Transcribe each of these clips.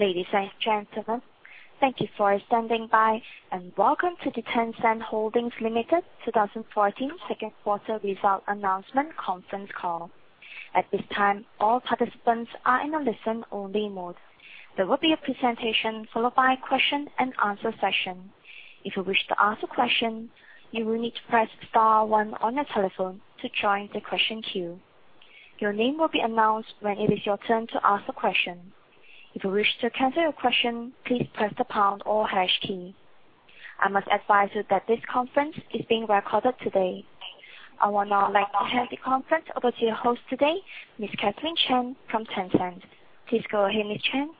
Ladies and gentlemen, thank you for standing by and welcome to the Tencent Holdings Limited 2014 second quarter result announcement conference call. At this time, all participants are in a listen-only mode. There will be a presentation followed by a question and answer session. If you wish to ask a question, you will need to press star one on your telephone to join the question queue. Your name will be announced when it is your turn to ask a question. If you wish to cancel your question, please press the pound or hash key. I must advise you that this conference is being recorded today. I would now like to hand the conference over to your host today, Ms. Catherine Chan from Tencent. Please go ahead, Ms. Chan.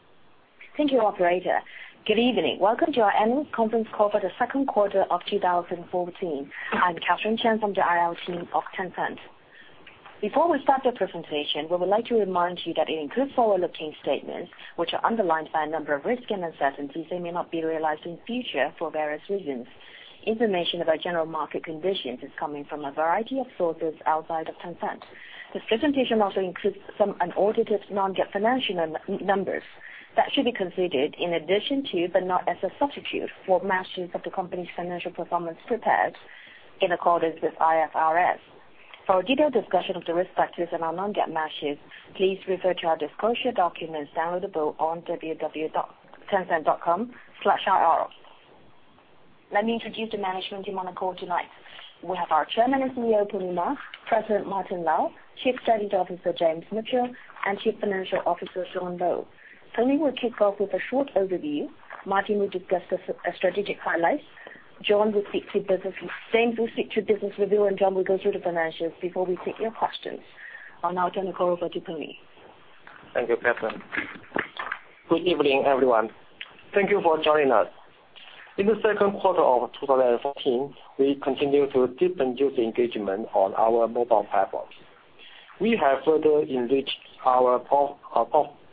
Thank you, operator. Good evening. Welcome to our annual conference call for the second quarter of 2014. I'm Catherine Chan from the IR team of Tencent. Before we start the presentation, we would like to remind you that it includes forward-looking statements, which are underlined by a number of risks and uncertainties that may not be realized in future for various reasons. Information about general market conditions is coming from a variety of sources outside of Tencent. This presentation also includes some unaudited non-GAAP financial numbers that should be considered in addition to, but not as a substitute for, measures of the company's financial performance prepared in accordance with IFRS. For a detailed discussion of the risk factors and our non-GAAP measures, please refer to our disclosure documents downloadable on www.tencent.com/ir. Let me introduce the management team on the call tonight. We have our chairman is Pony Ma, President Martin Lau, Chief Strategy Officer James Mitchell, Chief Financial Officer John Lo. Pony will kick off with a short overview. Martin will discuss the strategic highlights. James will stick to business review, John will go through the financials before we take your questions. I'll now turn the call over to Pony. Thank you, Catherine. Good evening, everyone. Thank you for joining us. In the second quarter of 2014, we continued to deepen user engagement on our mobile platforms. We have further enriched our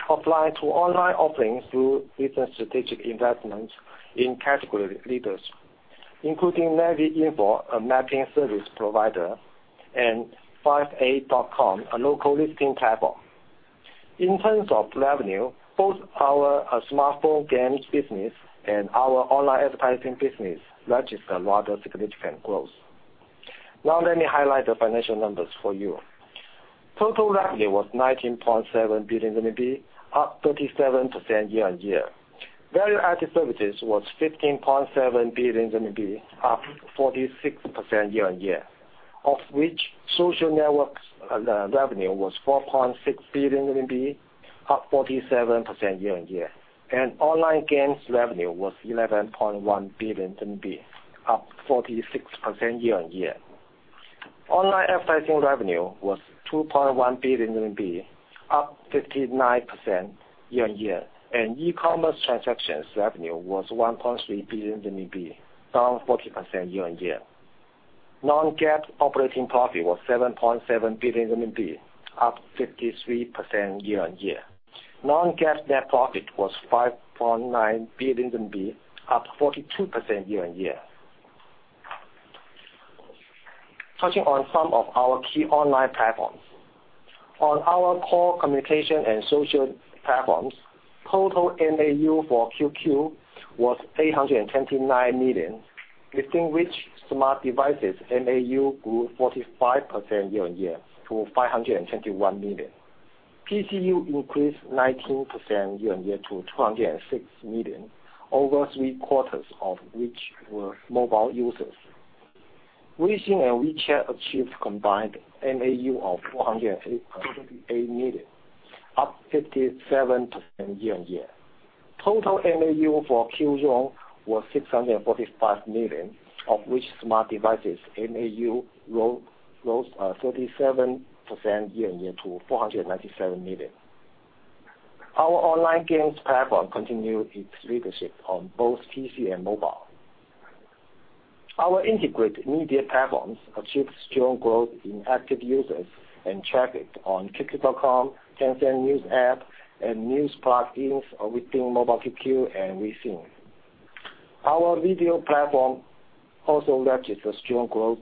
offline-to-online offerings through recent strategic investments in category leaders, including NavInfo, a mapping service provider, and 58.com, a local listing platform. In terms of revenue, both our smartphone games business and our online advertising business registered rather significant growth. Now let me highlight the financial numbers for you. Total revenue was 19.7 billion RMB, up 37% year-on-year. Value-added services was 15.7 billion RMB, up 46% year-on-year, of which social networks revenue was 4.6 billion RMB, up 47% year-on-year, online games revenue was 11.1 billion RMB, up 46% year-on-year. Online advertising revenue was 2.1 billion RMB, up 59% year-on-year, e-commerce transactions revenue was 1.3 billion RMB, down 40% year-on-year. Non-GAAP operating profit was 7.7 billion RMB, up 53% year-on-year. Non-GAAP net profit was 5.9 billion RMB, up 42% year-on-year. Touching on some of our key online platforms. On our core communication and social platforms, total MAU for QQ was 829 million, within which smart devices MAU grew 45% year-on-year to 521 million. PCU increased 19% year-on-year to 206 million, over three-quarters of which were mobile users. Weixin and WeChat achieved combined MAU of 438 million, up 57% year-on-year. Total MAU for Qzone was 645 million, of which smart devices MAU rose 37% year-on-year to 497 million. Our online games platform continued its leadership on both PC and mobile. Our integrated media platforms achieved strong growth in active users and traffic on QQ.com, Tencent News app, and news plugins within Mobile QQ and Weixin. Our video platform also registered strong growth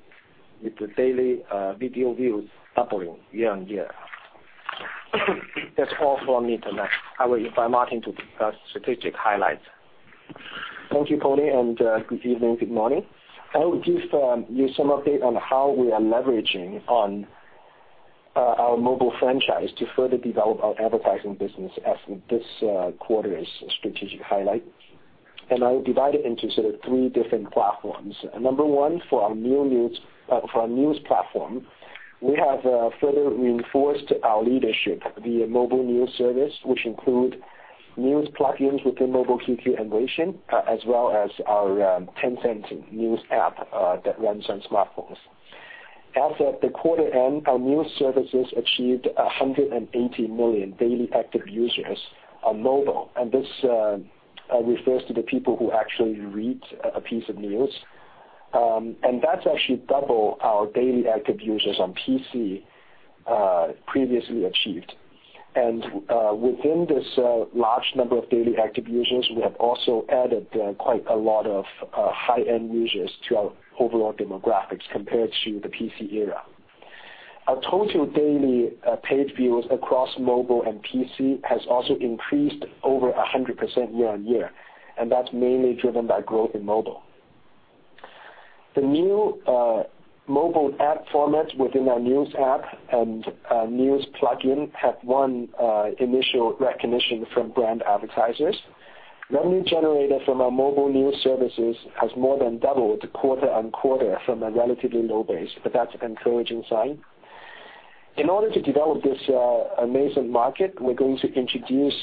with the daily video views doubling year-on-year. That's all from me tonight. I will invite Martin Lau to discuss strategic highlights. Thank you, Pony Ma, good evening, good morning. I will give you some update on how we are leveraging on our mobile franchise to further develop our advertising business as this quarter's strategic highlight. I will divide it into sort of three different platforms. Number 1, for our news platform, we have further reinforced our leadership via mobile news service, which include news plugins within Mobile QQ and Weixin, as well as our Tencent News app that runs on smartphones. As at the quarter end, our news services achieved 180 million daily active users on mobile, and this refers to the people who actually read a piece of news. That's actually double our daily active users on PC previously achieved. Within this large number of daily active users, we have also added quite a lot of high-end users to our overall demographics compared to the PC era. Our total daily page views across mobile and PC has also increased over 100% year-on-year. That's mainly driven by growth in mobile. The new mobile ad formats within our Tencent News app and news plugin have won initial recognition from brand advertisers. Revenue generated from our mobile news services has more than doubled quarter-on-quarter from a relatively low base. That's an encouraging sign. In order to develop this amazing market, we're going to introduce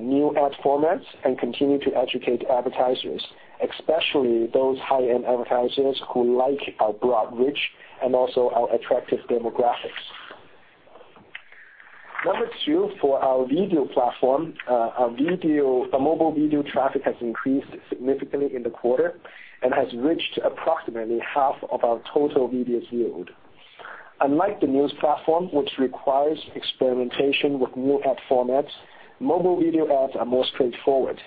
new ad formats and continue to educate advertisers, especially those high-end advertisers who like our broad reach and also our attractive demographics. Number 2, for our video platform, our mobile video traffic has increased significantly in the quarter and has reached approximately half of our total videos viewed. Unlike the news platform, which requires experimentation with new ad formats, mobile video ads are more straightforward.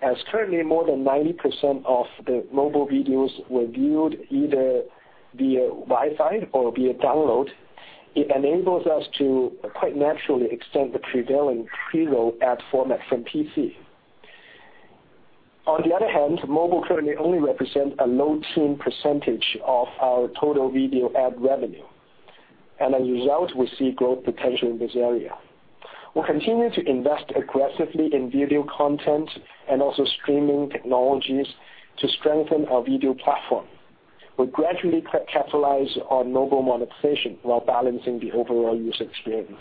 As currently more than 90% of the mobile videos were viewed either via Wi-Fi or via download, it enables us to quite naturally extend the prevailing pre-roll ad format from PC. On the other hand, mobile currently only represents a low teen percentage of our total video ad revenue, and as a result, we see growth potential in this area. We will continue to invest aggressively in video content and also streaming technologies to strengthen our video platform. We will gradually capitalize on mobile monetization while balancing the overall user experience.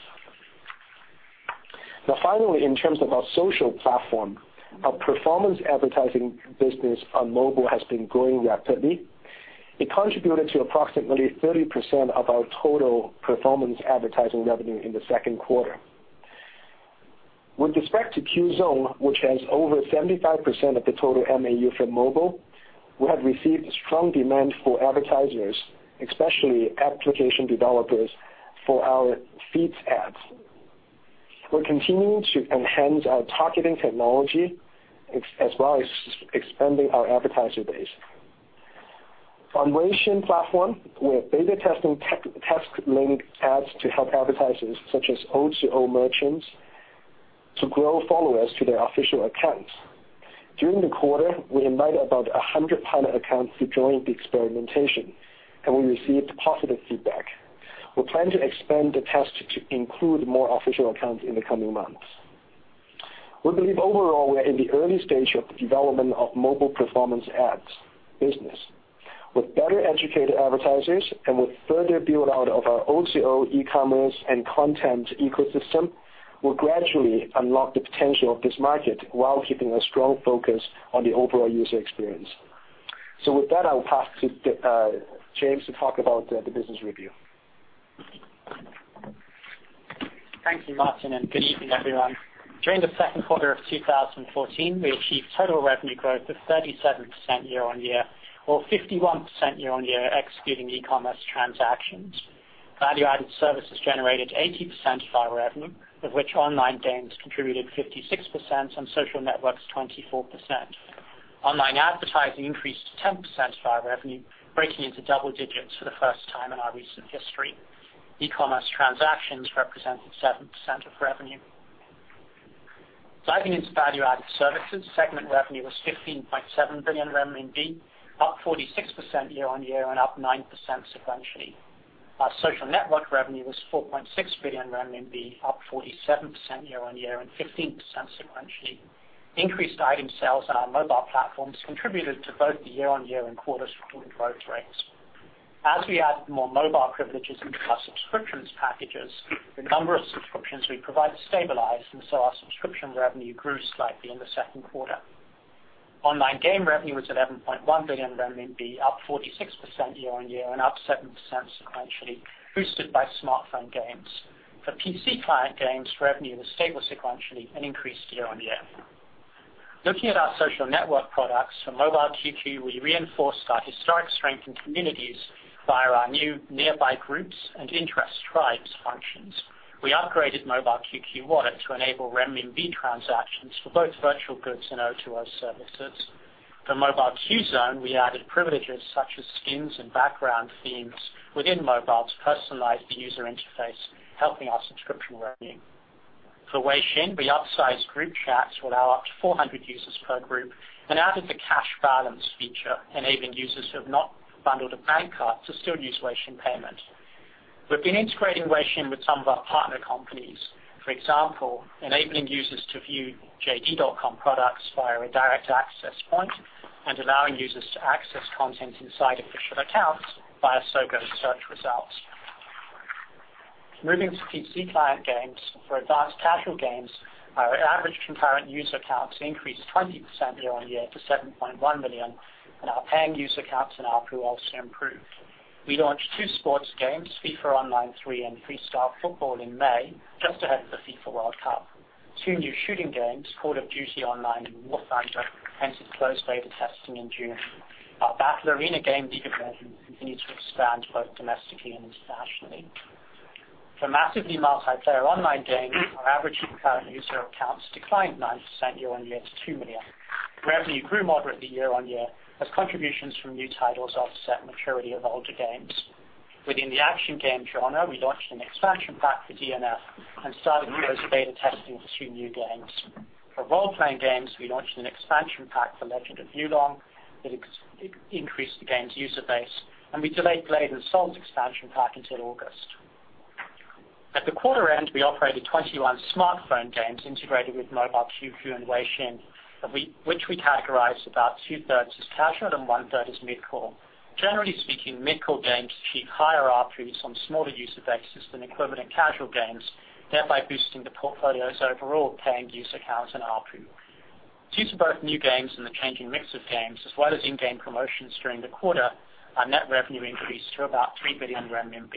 Now finally, in terms of our social platform, our performance advertising business on mobile has been growing rapidly. It contributed to approximately 30% of our total performance advertising revenue in the second quarter. With respect to Qzone, which has over 75% of the total MAU for mobile, we have received strong demand for advertisers, especially application developers, for our feeds ads. We are continuing to enhance our targeting technology, as well as expanding our advertiser base. On Weixin platform, we are beta testing task-linked ads to help advertisers, such as O2O merchants, to grow followers to their official accounts. During the quarter, we invited about 100 pilot accounts to join the experimentation, and we received positive feedback. We plan to expand the test to include more official accounts in the coming months. We believe overall we are in the early stage of the development of mobile performance ads business. With better-educated advertisers and with further build-out of our O2O, e-commerce, and content ecosystem, we will gradually unlock the potential of this market while keeping a strong focus on the overall user experience. With that, I will pass to James to talk about the business review. Thank you, Martin, and good evening, everyone. During the second quarter of 2014, we achieved total revenue growth of 37% year-on-year or 51% year-on-year excluding e-commerce transactions. Value-added services generated 80% of our revenue, of which online games contributed 56% and social networks 24%. Online advertising increased to 10% of our revenue, breaking into double digits for the first time in our recent history. E-commerce transactions represented 7% of revenue. Diving into value-added services, segment revenue was 15.7 billion RMB, up 46% year-on-year and up 9% sequentially. Our social network revenue was 4.6 billion, up 47% year-on-year and 15% sequentially. Increased item sales on our mobile platforms contributed to both the year-on-year and quarter growth rates. As we add more mobile privileges into our subscriptions packages, the number of subscriptions we provide stabilized, and so our subscription revenue grew slightly in the second quarter. Online game revenue was 11.1 billion, up 46% year-on-year and up 7% sequentially, boosted by smartphone games. For PC client games, revenue was stable sequentially and increased year-on-year. Looking at our social network products, for Mobile QQ, we reinforced our historic strength in communities via our new nearby groups and interest tribes functions. We upgraded Mobile QQ Wallet to enable CNY transactions for both virtual goods and O2O services. For Mobile Qzone, we added privileges such as skins and background themes within mobile to personalize the user interface, helping our subscription revenue. For Weixin, we upsized group chats to allow up to 400 users per group and added the cash balance feature, enabling users who have not bundled a bank card to still use Weixin Pay payment. We have been integrating Weixin with some of our partner companies. For example, enabling users to view JD.com products via a direct access point and allowing users to access content inside official accounts via Sogou search results. Moving to PC client games, for advanced casual games, our average concurrent user accounts increased 20% year-on-year to 7.1 million, and our paying user accounts in ARPU also improved. We launched two sports games, "FIFA Online 3" and "Freestyle Football," in May, just ahead of the FIFA World Cup. Two new shooting games, "Call of Duty Online" and "War Thunder," entered closed beta testing in June. Our battle arena game, "League of Legends," continues to expand both domestically and internationally. For massively multiplayer online games, our average paying user accounts declined 9% year-on-year to 2 million. Revenue grew moderately year-on-year as contributions from new titles offset maturity of older games. Within the action game genre, we launched an expansion pack for DNF and started closed beta testing for two new games. For role-playing games, we launched an expansion pack for Legend of Yulong that increased the game's user base, and we delayed Blade & Soul's expansion pack until August. At the quarter end, we operated 21 smartphone games integrated with Mobile QQ and Weixin, of which we categorized about two-thirds as casual and one-third as mid-core. Generally speaking, mid-core games achieve higher ARPUs on smaller user bases than equivalent casual games, thereby boosting the portfolio's overall paying user accounts and ARPU. Due to both new games and the changing mix of games as well as in-game promotions during the quarter, our net revenue increased to about 3 billion RMB.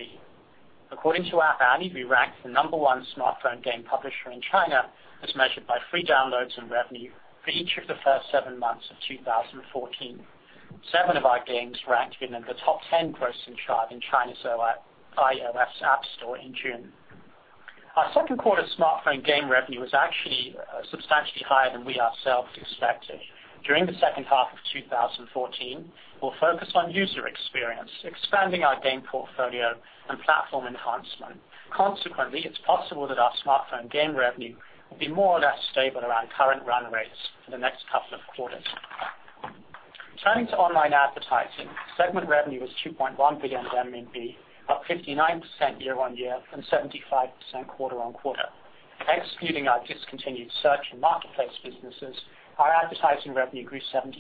According to App Annie, we ranked the number one smartphone game publisher in China as measured by free downloads and revenue for each of the first seven months of 2014. Seven of our games ranked in the top 10 grossing chart in China's iOS App Store in June. Our second quarter smartphone game revenue was actually substantially higher than we ourselves expected. During the second half of 2014, we'll focus on user experience, expanding our game portfolio and platform enhancement. Consequently, it's possible that our smartphone game revenue will be more or less stable around current run rates for the next couple of quarters. Turning to online advertising. Segment revenue was 2.1 billion, up 59% year-on-year and 75% quarter-on-quarter. Excluding our discontinued search and marketplace businesses, our advertising revenue grew 75%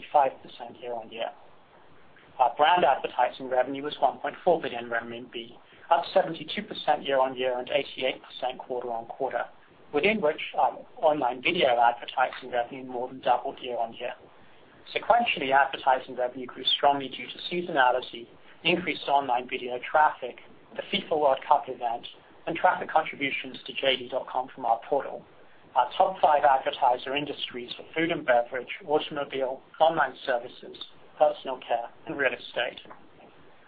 year-on-year. Our brand advertising revenue was 1.4 billion RMB, up 72% year-on-year and 88% quarter-on-quarter. Within which our online video advertising revenue more than doubled year-on-year. Sequentially, advertising revenue grew strongly due to seasonality, increased online video traffic, the FIFA World Cup event, and traffic contributions to JD.com from our portal. Our top five advertiser industries were food and beverage, automobile, online services, personal care, and real estate.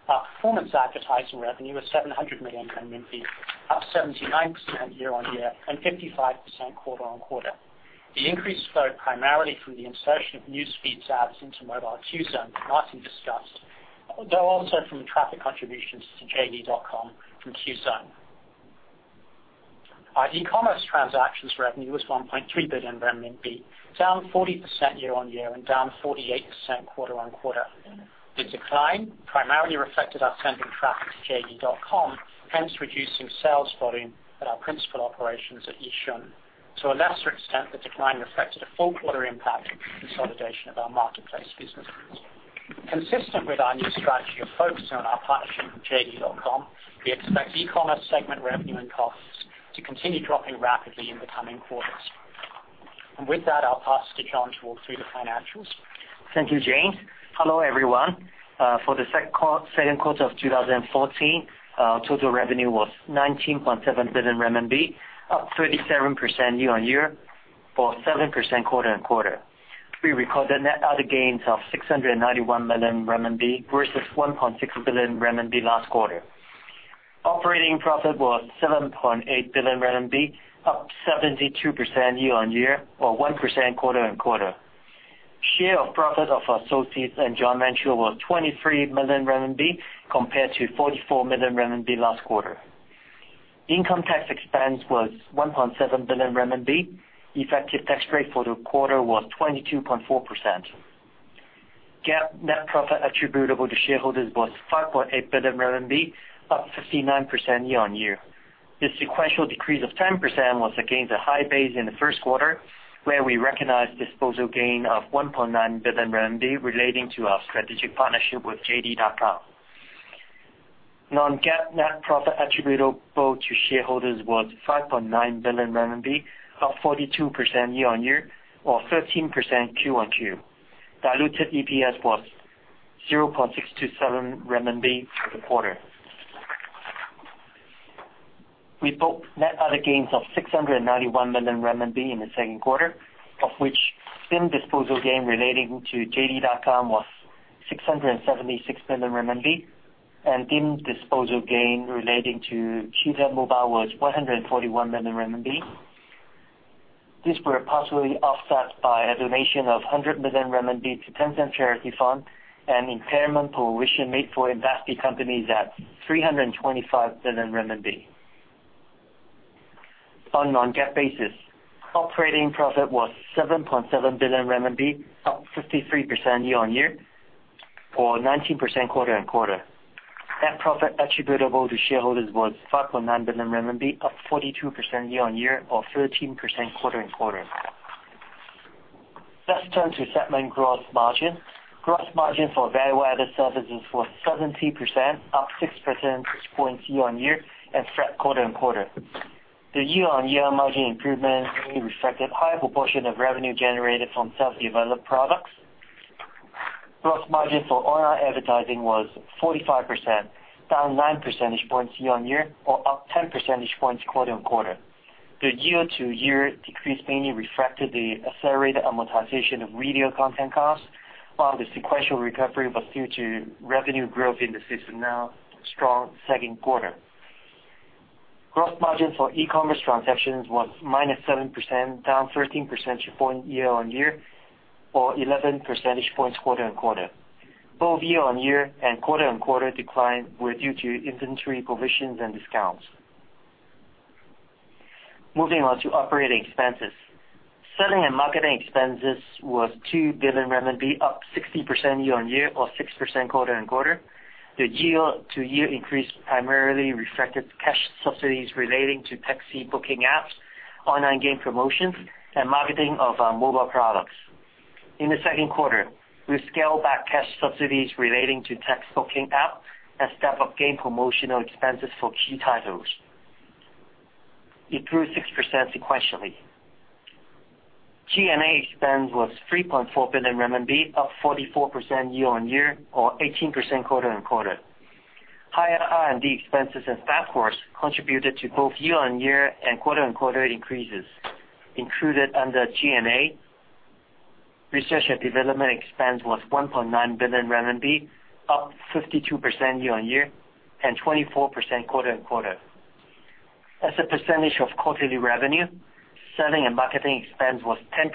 Our performance advertising revenue was 700 million renminbi, up 79% year-on-year and 55% quarter-on-quarter. The increase flowed primarily from the insertion of news feeds ads into Mobile Qzone that Martin discussed, though also from traffic contributions to JD.com from Qzone. Our e-commerce transactions revenue was 1.3 billion RMB, down 40% year-on-year and down 48% quarter-on-quarter. The decline primarily reflected our sending traffic to JD.com, hence reducing sales volume at our principal operations at Yixun. To a lesser extent, the decline reflected a full-quarter impact of the consolidation of our marketplace businesses. Consistent with our new strategy of focusing on our partnership with JD.com, we expect e-commerce segment revenue and costs to continue dropping rapidly in the coming quarters. With that, I'll pass to John to walk through the financials. Thank you, James. Hello, everyone. For the second quarter of 2014, our total revenue was 19.7 billion RMB, up 37% year-on-year or 7% quarter-on-quarter. We recorded net other gains of 691 million RMB versus 1.6 billion RMB last quarter. Operating profit was 7.8 billion RMB, up 72% year-on-year or 1% quarter-on-quarter. Share of profit of associates and joint ventures was 23 million RMB compared to 44 million RMB last quarter. Income tax expense was 1.7 billion RMB. Effective tax rate for the quarter was 22.4%. GAAP net profit attributable to shareholders was 5.8 billion RMB, up 59% year-on-year. This sequential decrease of 10% was against a high base in the first quarter, where we recognized disposal gain of 1.9 billion RMB relating to our strategic partnership with JD.com. Non-GAAP net profit attributable to shareholders was 5.9 billion RMB, up 42% year-on-year or 13% Q-on-Q. Diluted EPS was 0.627 renminbi for the quarter. We booked net other gains of 691 million renminbi in the second quarter, of which deemed disposal gain relating to JD.com was CNY 676 million and DIM disposal gain relating to Mobile QQ was 141 million RMB. These were partially offset by a donation of 100 million RMB to Tencent Charity Foundation and impairment provision made for invested companies at 325 million RMB. On non-GAAP basis, operating profit was 7.7 billion RMB, up 53% year-on-year or 19% quarter-on-quarter. Net profit attributable to shareholders was 5.9 billion RMB, up 42% year-on-year or 13% quarter-on-quarter. Let's turn to segment gross margin. Gross margin for value-added services was 70%, up 6 percentage points year-on-year and flat quarter-on-quarter. The year-on-year margin improvement mainly reflected high proportion of revenue generated from self-developed products. Gross margin for online advertising was 45%, down 9 percentage points year-on-year or up 10 percentage points quarter-on-quarter. The year-to-year decrease mainly reflected the accelerated amortization of media content costs, while the sequential recovery was due to revenue growth in the system now strong second quarter. Gross margin for e-commerce transactions was -7%, down 13 percentage points year-on-year or 11 percentage points quarter-on-quarter. Both year-on-year and quarter-on-quarter decline were due to inventory provisions and discounts. Moving on to operating expenses. Selling and marketing expenses was 2 billion RMB, up 60% year-on-year or 6% quarter-on-quarter. The year-to-year increase primarily reflected cash subsidies relating to taxi booking apps, online game promotions, and marketing of our mobile products. In the second quarter, we scaled back cash subsidies relating to taxi booking app and step-up game promotional expenses for key titles. It grew 6% sequentially. G&A expense was 3.4 billion RMB, up 44% year-on-year or 18% quarter-on-quarter. Higher R&D expenses and staff costs contributed to both year-on-year and quarter-on-quarter increases. Included under G&A, research and development expense was 1.9 billion RMB, up 52% year-on-year and 24% quarter-on-quarter. As a percentage of quarterly revenue, selling and marketing expense was 10%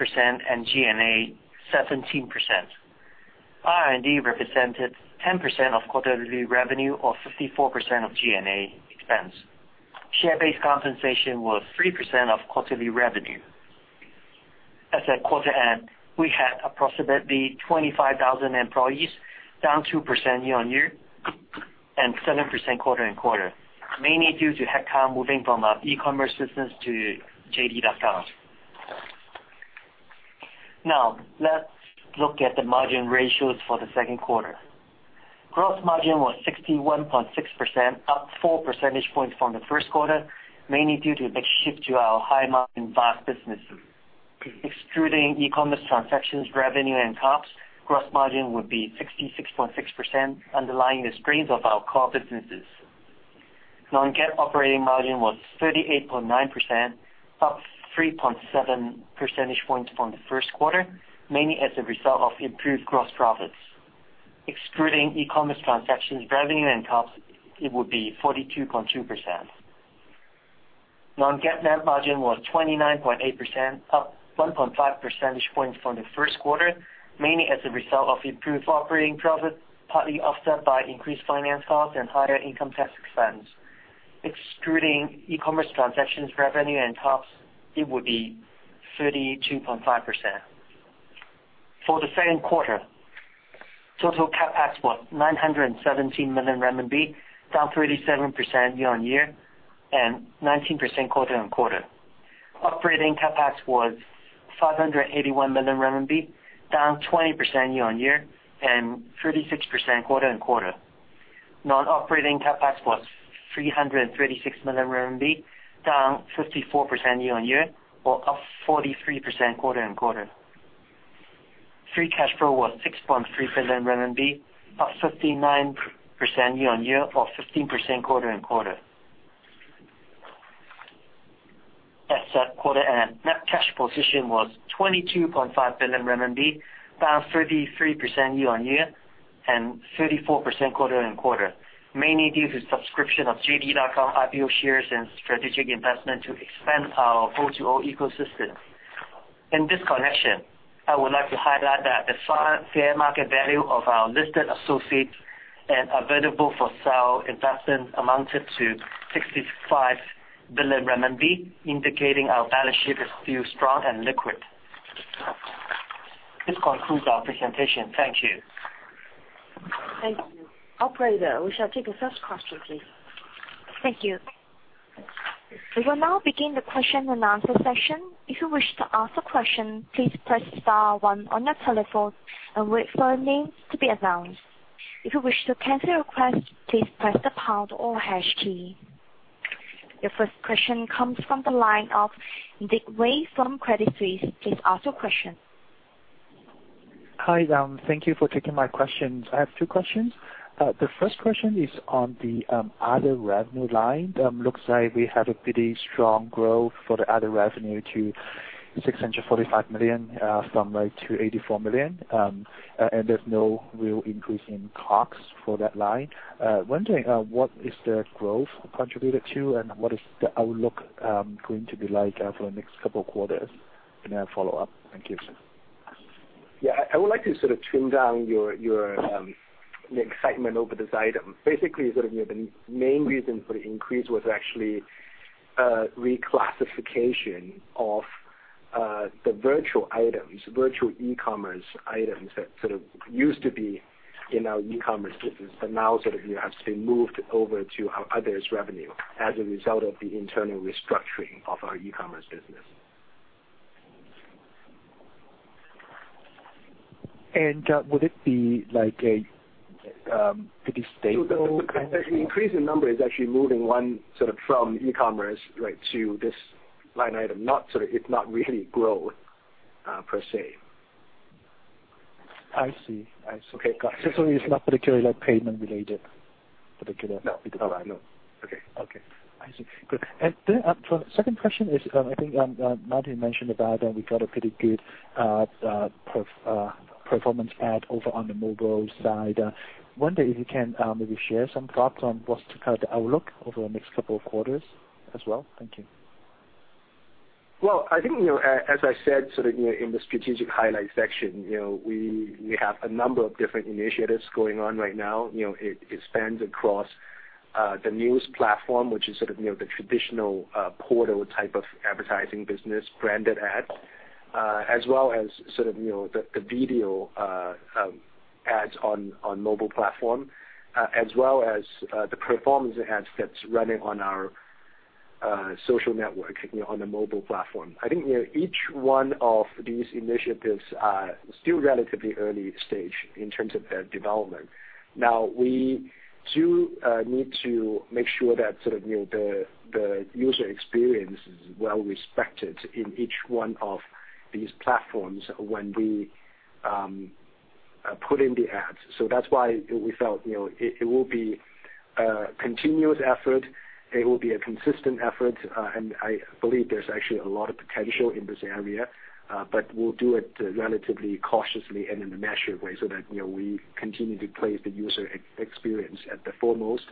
and G&A 17%. R&D represented 10% of quarterly revenue or 54% of G&A expense. Share-based compensation was 3% of quarterly revenue. As at quarter end, we had approximately 25,000 employees, down 2% year-on-year and 7% quarter-on-quarter, mainly due to headcount moving from our e-commerce business to JD.com. Let's look at the margin ratios for the second quarter. Gross margin was 61.6%, up four percentage points from the first quarter, mainly due to the big shift to our high-margin VAS business. Excluding e-commerce transactions, revenue and COGS, gross margin would be 66.6%, underlying the strength of our core businesses. Non-GAAP operating margin was 38.9%, up 3.7 percentage points from the first quarter, mainly as a result of improved gross profits. Excluding e-commerce transactions, revenue and COGS, it would be 42.2%. Non-GAAP net margin was 29.8%, up 1.5 percentage points from the first quarter, mainly as a result of improved operating profit, partly offset by increased finance costs and higher income tax expense. Excluding e-commerce transactions, revenue and COGS, it would be 32.5%. For the second quarter, total CapEx was CNY 917 million, down 37% year-on-year and 19% quarter-on-quarter. Operating CapEx was 581 million RMB, down 20% year-on-year and 36% quarter-on-quarter. Non-operating CapEx was 336 million RMB, down 54% year-on-year or up 43% quarter-on-quarter. Free cash flow was 6.3 billion RMB, up 59% year-on-year or 15% quarter-on-quarter. As at quarter end, net cash position was 22.5 billion RMB, down 33% year-on-year and 34% quarter-on-quarter, mainly due to subscription of JD.com IPO shares and strategic investment to expand our O2O ecosystem. In this connection, I would like to highlight that the fair market value of our listed associates and available-for-sale investments amounted to 65 billion RMB, indicating our balance sheet is still strong and liquid. This concludes our presentation. Thank you. Thank you. Operator, we shall take the first question, please. Thank you. We will now begin the question and answer session. If you wish to ask a question, please press star one on your telephone and wait for your name to be announced. If you wish to cancel your request, please press the pound or hash key. Your first question comes from the line of Dick Wei from Credit Suisse. Please ask your question. Hi. Thank you for taking my questions. I have two questions. The first question is on the other revenue line. Looks like we have a pretty strong growth for the other revenue to 645 million from 284 million, and there's no real increase in costs for that line. Wondering what is the growth contributed to and what is the outlook going to be like for the next couple of quarters? I have a follow-up. Thank you. Yeah. I would like to sort of trim down your excitement over this item. Basically, the main reason for the increase was actually reclassification of the virtual items, virtual e-commerce items that sort of used to be in our e-commerce business, but now have been moved over to our others revenue as a result of the internal restructuring of our e-commerce business. Would it be like a pretty stable- The increase in number is actually moving one from e-commerce to this line item. It's not really growth per se. I see. Okay. It's not particularly payment related? No. Okay. I see. Good. Then for the second question is, I think Martin mentioned about that we got a pretty good performance ad over on the mobile side. Wondering if you can maybe share some thoughts on what's the outlook over the next couple of quarters as well? Thank you. As I said in the strategic highlights section, we have a number of different initiatives going on right now. It spans across the news platform, which is sort of the traditional portal type of advertising business, branded ads, as well as the video ads on mobile platform, as well as the performance ads that's running on our social network on the mobile platform. Each one of these initiatives are still relatively early stage in terms of their development. We do need to make sure that the user experience is well respected in each one of these platforms when we put in the ads. That's why we felt it will be a continuous effort, it will be a consistent effort, and I believe there's actually a lot of potential in this area. We'll do it relatively cautiously and in a measured way so that we continue to place the user experience at the foremost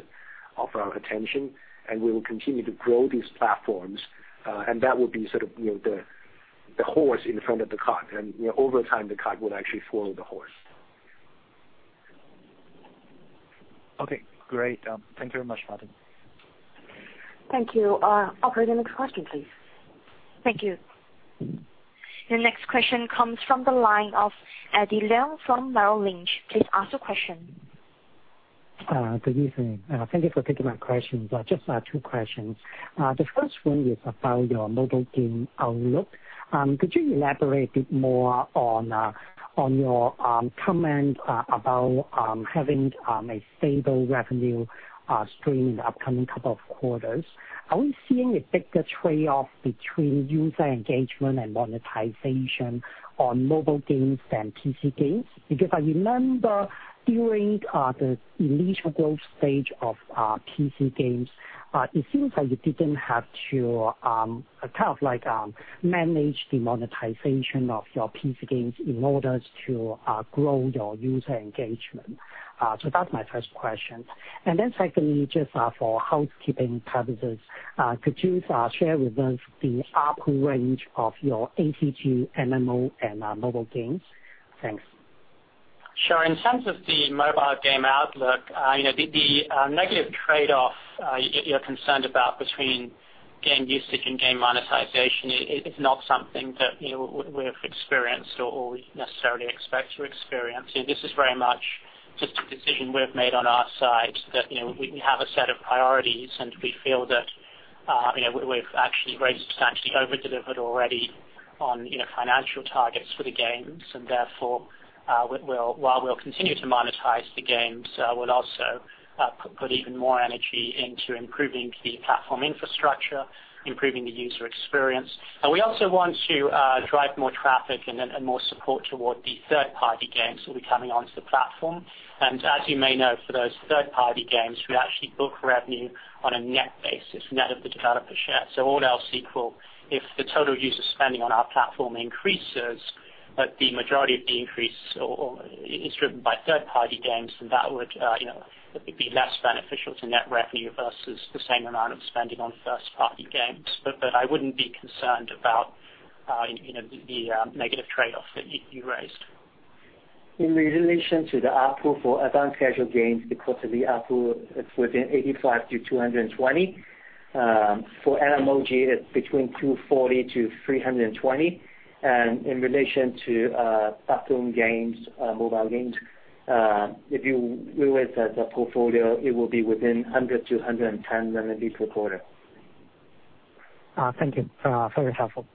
of our attention, and we will continue to grow these platforms. That will be sort of the horse in front of the cart, and over time, the cart will actually follow the horse. Great. Thank you very much, Martin. Thank you. Operator, next question, please. Thank you. Your next question comes from the line of Eddie Leung from Merrill Lynch. Please ask your question. Good evening. Thank you for taking my questions. Just two questions. The first one is about your mobile game outlook. Could you elaborate a bit more on your comment about having a stable revenue stream in the upcoming couple of quarters? Are we seeing a bigger trade-off between user engagement and monetization on mobile games than PC games? I remember during the initial growth stage of PC games, it seems like you didn't have to manage the monetization of your PC games in order to grow your user engagement. That's my first question. Secondly, just for housekeeping purposes, could you share with us the ARPU range of your ACG, MMO, and mobile games? Thanks. Sure. In terms of the mobile game outlook, the negative trade-off you're concerned about between game usage and game monetization is not something that we've experienced or we necessarily expect to experience. This is very much just a decision we've made on our side that we have a set of priorities, and we feel that we've actually very substantially over-delivered already on financial targets for the games, and therefore, while we'll continue to monetize the games, we'll also put even more energy into improving the platform infrastructure, improving the user experience. We also want to drive more traffic and more support toward the third-party games that will be coming onto the platform. As you may know, for those third-party games, we actually book revenue on a net basis, net of the developer share. All else equal, if the total user spending on our platform increases, but the majority of the increase is driven by third-party games, then that would be less beneficial to net revenue versus the same amount of spending on first-party games. I wouldn't be concerned about the negative trade-off that you raised. In relation to the ARPU for advanced casual games, because of the ARPU, it is within 85-220. For MMOG, it is between 240-320. In relation to platform games, mobile games, if you look at the portfolio, it will be within 100-110 RMB per quarter. Thank you. Very helpful.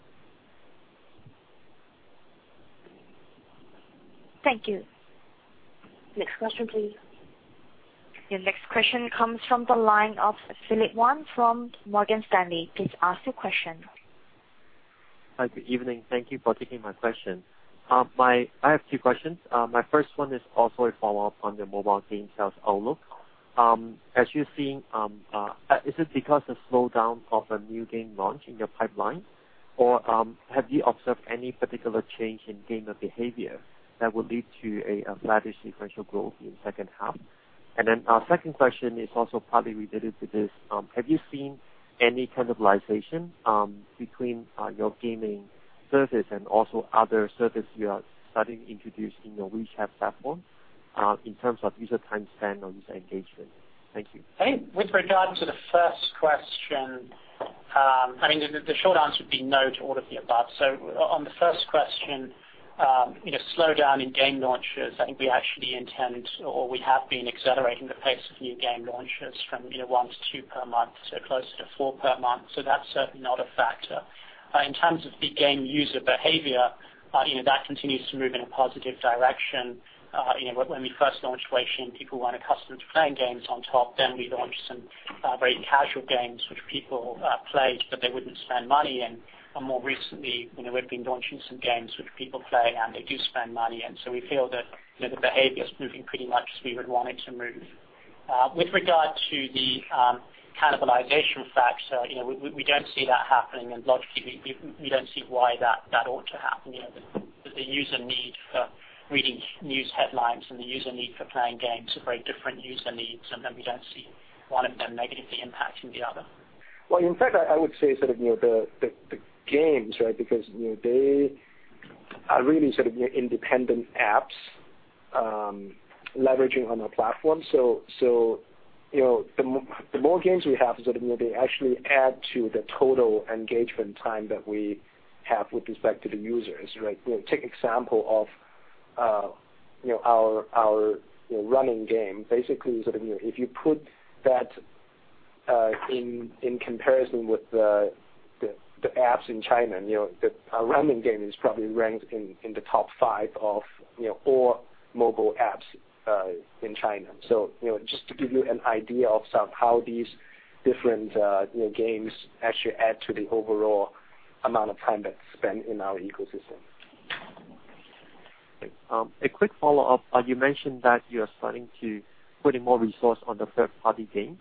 Thank you. Next question, please. Your next question comes from the line of Philip Wan from Morgan Stanley. Please ask your question. Hi, good evening. Thank you for taking my question. I have two questions. My first one is also a follow-up on the mobile game sales outlook. Is it because the slowdown of a new game launch in your pipeline, or have you observed any particular change in gamer behavior that would lead to a flattish sequential growth in second half? Second question is also partly related to this. Have you seen any cannibalization between your gaming service and also other service you are starting to introduce in your WeChat platform in terms of user time spent on user engagement? Thank you. I think with regard to the first question, the short answer would be no to all of the above. On the first question, slowdown in game launches, I think we actually intend, or we have been accelerating the pace of new game launches from one to two per month, closer to four per month. That's certainly not a factor. In terms of the game user behavior, that continues to move in a positive direction. When we first launched Weixin, people weren't accustomed to playing games on top. We launched some very casual games which people played, but they wouldn't spend money. More recently, we've been launching some games which people play, and they do spend money in. We feel that the behavior is moving pretty much as we would want it to move. With regard to the cannibalization factor, we don't see that happening, and logically, we don't see why that ought to happen. The user need for reading news headlines and the user need for playing games are very different user needs, we don't see one of them negatively impacting the other. Well, in fact, I would say the games, because they are really independent apps leveraging on our platform. The more games we have, they actually add to the total engagement time that we have with respect to the users, right? Take example of our running game. Basically, if you put that in comparison with the apps in China, our running game is probably ranked in the top five of all mobile apps in China. Just to give you an idea of how these different games actually add to the overall amount of time that's spent in our ecosystem. A quick follow-up. You mentioned that you are starting to put in more resource on the third-party game.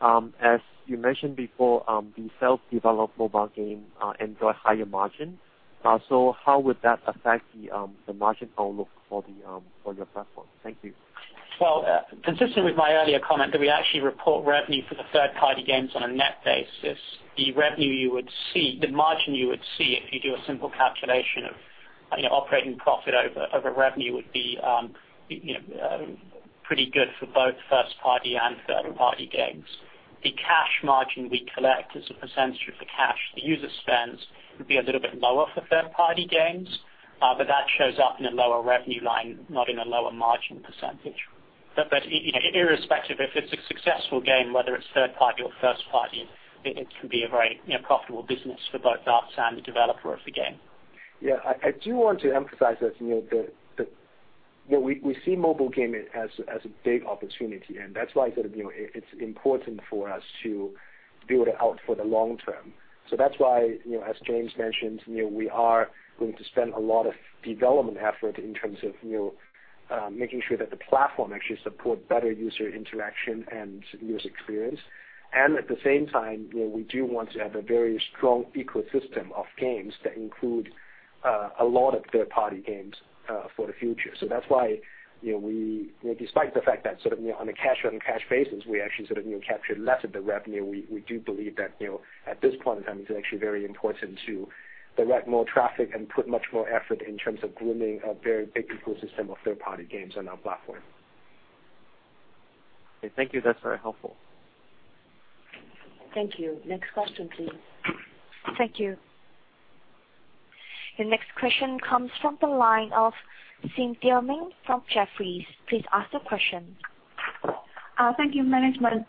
As you mentioned before, the self-developed mobile game enjoy higher margin. How would that affect the margin outlook for your platform? Thank you. Well, consistent with my earlier comment that we actually report revenue for the third-party games on a net basis. The margin you would see if you do a simple calculation of operating profit over revenue would be pretty good for both first-party and third-party games. The cash margin we collect as a percentage of the cash the user spends would be a little bit lower for third-party games. That shows up in a lower revenue line, not in a lower margin percentage. Irrespective, if it's a successful game, whether it's third-party or first-party, it can be a very profitable business for both us and the developer of the game. Yeah. I do want to emphasize that we see mobile gaming as a big opportunity, and that's why it's important for us to build it out for the long term. That's why, as James mentioned, we are going to spend a lot of development effort in terms of making sure that the platform actually supports better user interaction and user experience. At the same time, we do want to have a very strong ecosystem of games that include a lot of third-party games for the future. That's why despite the fact that on a cash-on-cash basis, we actually captured less of the revenue, we do believe that at this point in time, it's actually very important to direct more traffic and put much more effort in terms of grooming a very big ecosystem of third-party games on our platform. Okay, thank you. That's very helpful. Thank you. Next question, please. Thank you. Your next question comes from the line of Cynthia Meng from Jefferies. Please ask the question. Thank you, management,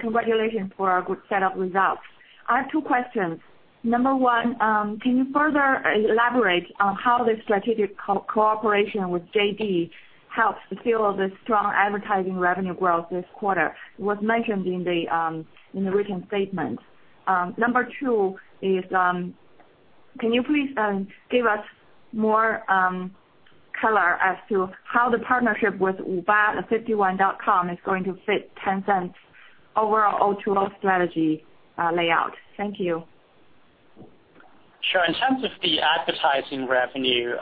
congratulations for a good set of results. I have two questions. Number one, can you further elaborate on how the strategic cooperation with JD helps fuel the strong advertising revenue growth this quarter? It was mentioned in the written statement. Number two is, can you please give us more color as to how the partnership with 58.com is going to fit Tencent's overall O2O strategy layout? Thank you. Sure. In terms of the advertising revenue,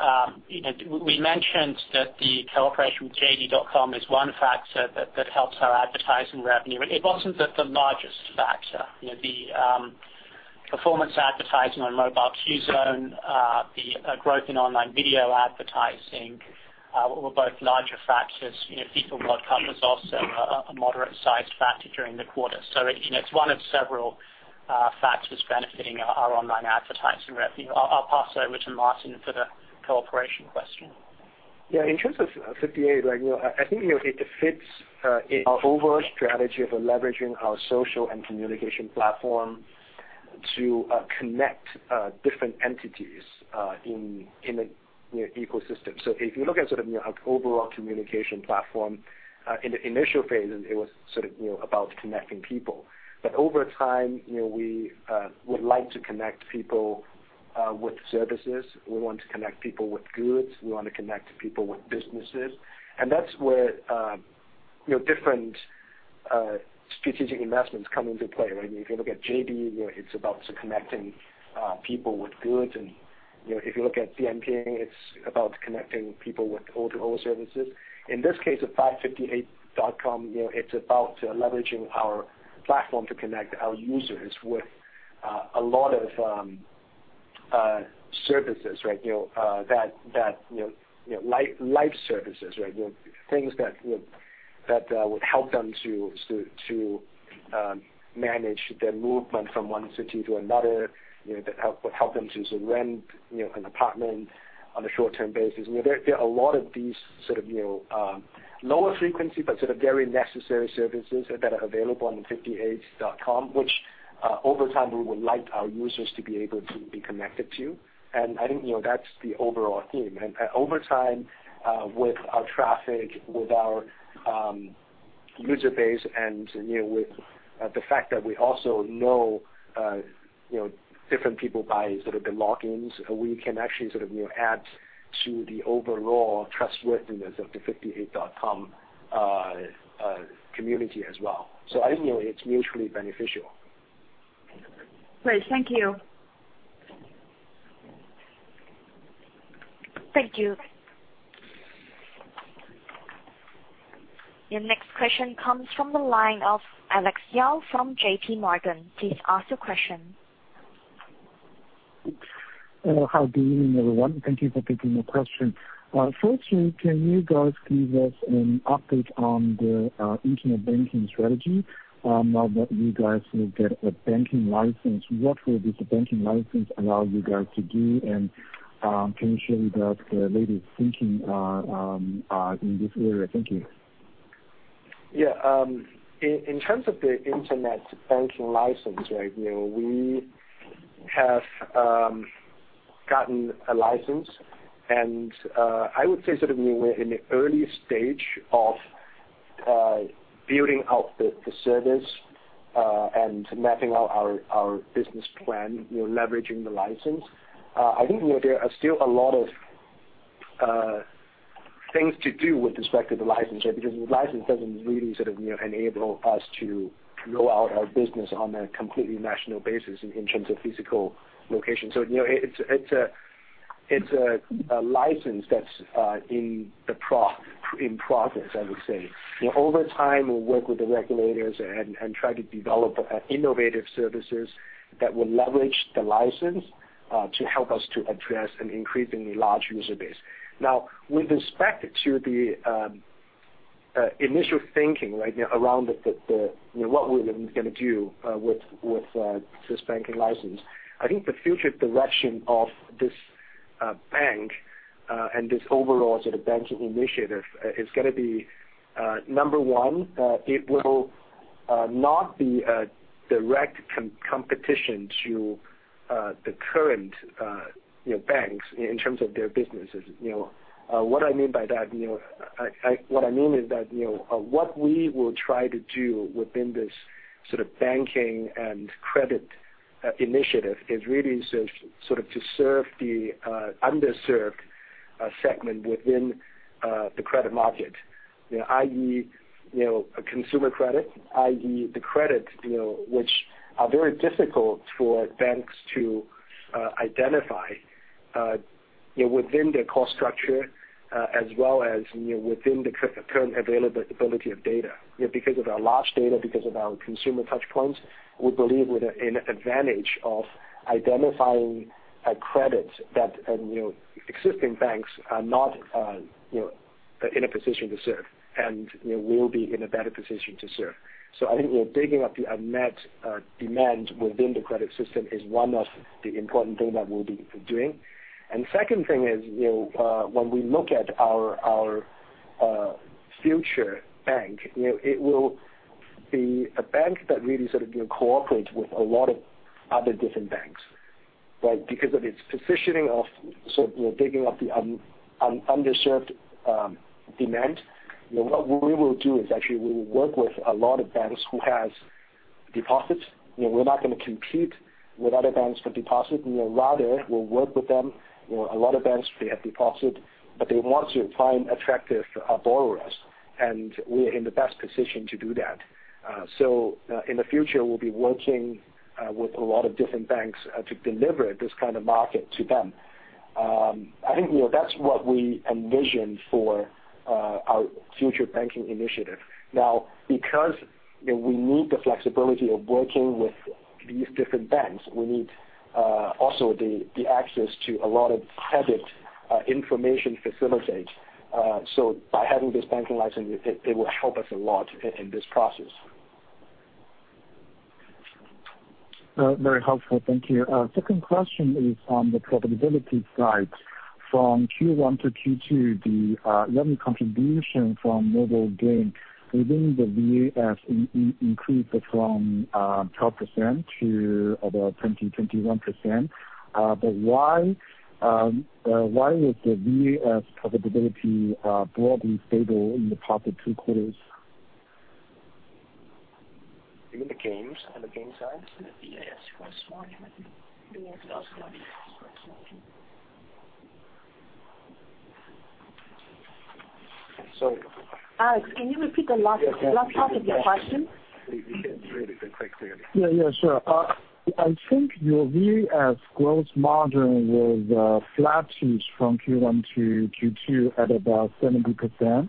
we mentioned that the cooperation with JD.com is one factor that helps our advertising revenue. It wasn't the largest factor. The performance advertising on Mobile Qzone, the growth in online video advertising, were both larger factors. FIFA World Cup was also a moderate-sized factor during the quarter. It's one of several factors benefiting our online advertising revenue. I'll pass over to Martin for the cooperation question. Yeah. In terms of 58, I think it fits our overall strategy of leveraging our social and communication platform to connect different entities in the ecosystem. If you look at our overall communication platform, in the initial phases, it was about connecting people. Over time, we would like to connect people with services, we want to connect people with goods, we want to connect people with businesses, and that's where different strategic investments come into play. If you look at JD, it's about connecting people with goods, and if you look at Dianping, it's about connecting people with O2O services. In this case, with 58.com, it's about leveraging our platform to connect our users with a lot of services, life services, things that would help them to manage their movement from one city to another, that help them to rent an apartment on a short-term basis. There are a lot of these sort of lower frequency, but very necessary services that are available on the 58.com, which over time we would like our users to be able to be connected to, I think that's the overall theme. Over time, with our traffic, with our user base, and with the fact that we also know different people by sort of the logins, we can actually add to the overall trustworthiness of the 58.com community as well. I think it's mutually beneficial. Great. Thank you. Thank you. Your next question comes from the line of Alex Yao from JPMorgan. Please ask your question. Hello. Good evening, everyone. Thank you for taking my question. Can you guys give us an update on the internet banking strategy now that you guys will get a banking license? What will this banking license allow you guys to do? And can you share with us the latest thinking in this area? Thank you. Yeah. In terms of the internet banking license, we have gotten a license and I would say we're in the early stage of building out the service and mapping out our business plan, leveraging the license. I think there are still a lot of things to do with respect to the license, because the license doesn't really enable us to roll out our business on a completely national basis in terms of physical location. It's a license that's in process, I would say. Over time, we'll work with the regulators and try to develop innovative services that will leverage the license, to help us to address an increasingly large user base. Now, with respect to the initial thinking around what we were going to do with this banking license, I think the future direction of this bank, and this overall banking initiative is going to be, number one, it will not be a direct competition to the current banks in terms of their businesses. What I mean is that, what we will try to do within this banking and credit initiative is really to serve the underserved segment within the credit market, i.e., consumer credit, i.e., the credit which are very difficult for banks to identify within their cost structure, as well as within the current availability of data. Because of our large data, because of our consumer touch points, we believe we are in advantage of identifying a credit that existing banks are not in a position to serve, and we'll be in a better position to serve. I think we're digging up the unmet demand within the credit system is one of the important thing that we'll be doing. Second thing is, when we look at our future bank, it will be a bank that really cooperates with a lot of other different banks. Because of its positioning of digging up the underserved demand, what we will do is actually we will work with a lot of banks who has deposits. We're not going to compete with other banks for deposit. Rather, we'll work with them. A lot of banks, they have deposit, but they want to find attractive borrowers, and we are in the best position to do that. In the future, we'll be working with a lot of different banks to deliver this kind of market to them. I think that's what we envision for our future banking initiative. Because we need the flexibility of working with these different banks, we need also the access to a lot of credit information facilities. By having this banking license, it will help us a lot in this process. Very helpful. Thank you. Second question is on the profitability side. From Q1 to Q2, the revenue contribution from mobile game within the VAS increased from 12% to about 20%-21%. Why was the VAS profitability broadly stable in the past two quarters? You mean the games, on the game side? The VAS gross margin. Alex, can you repeat the last part of your question? Yes. Yeah. Sure. I think your VAS gross margin was flat-ish from Q1 to Q2 at about 70%.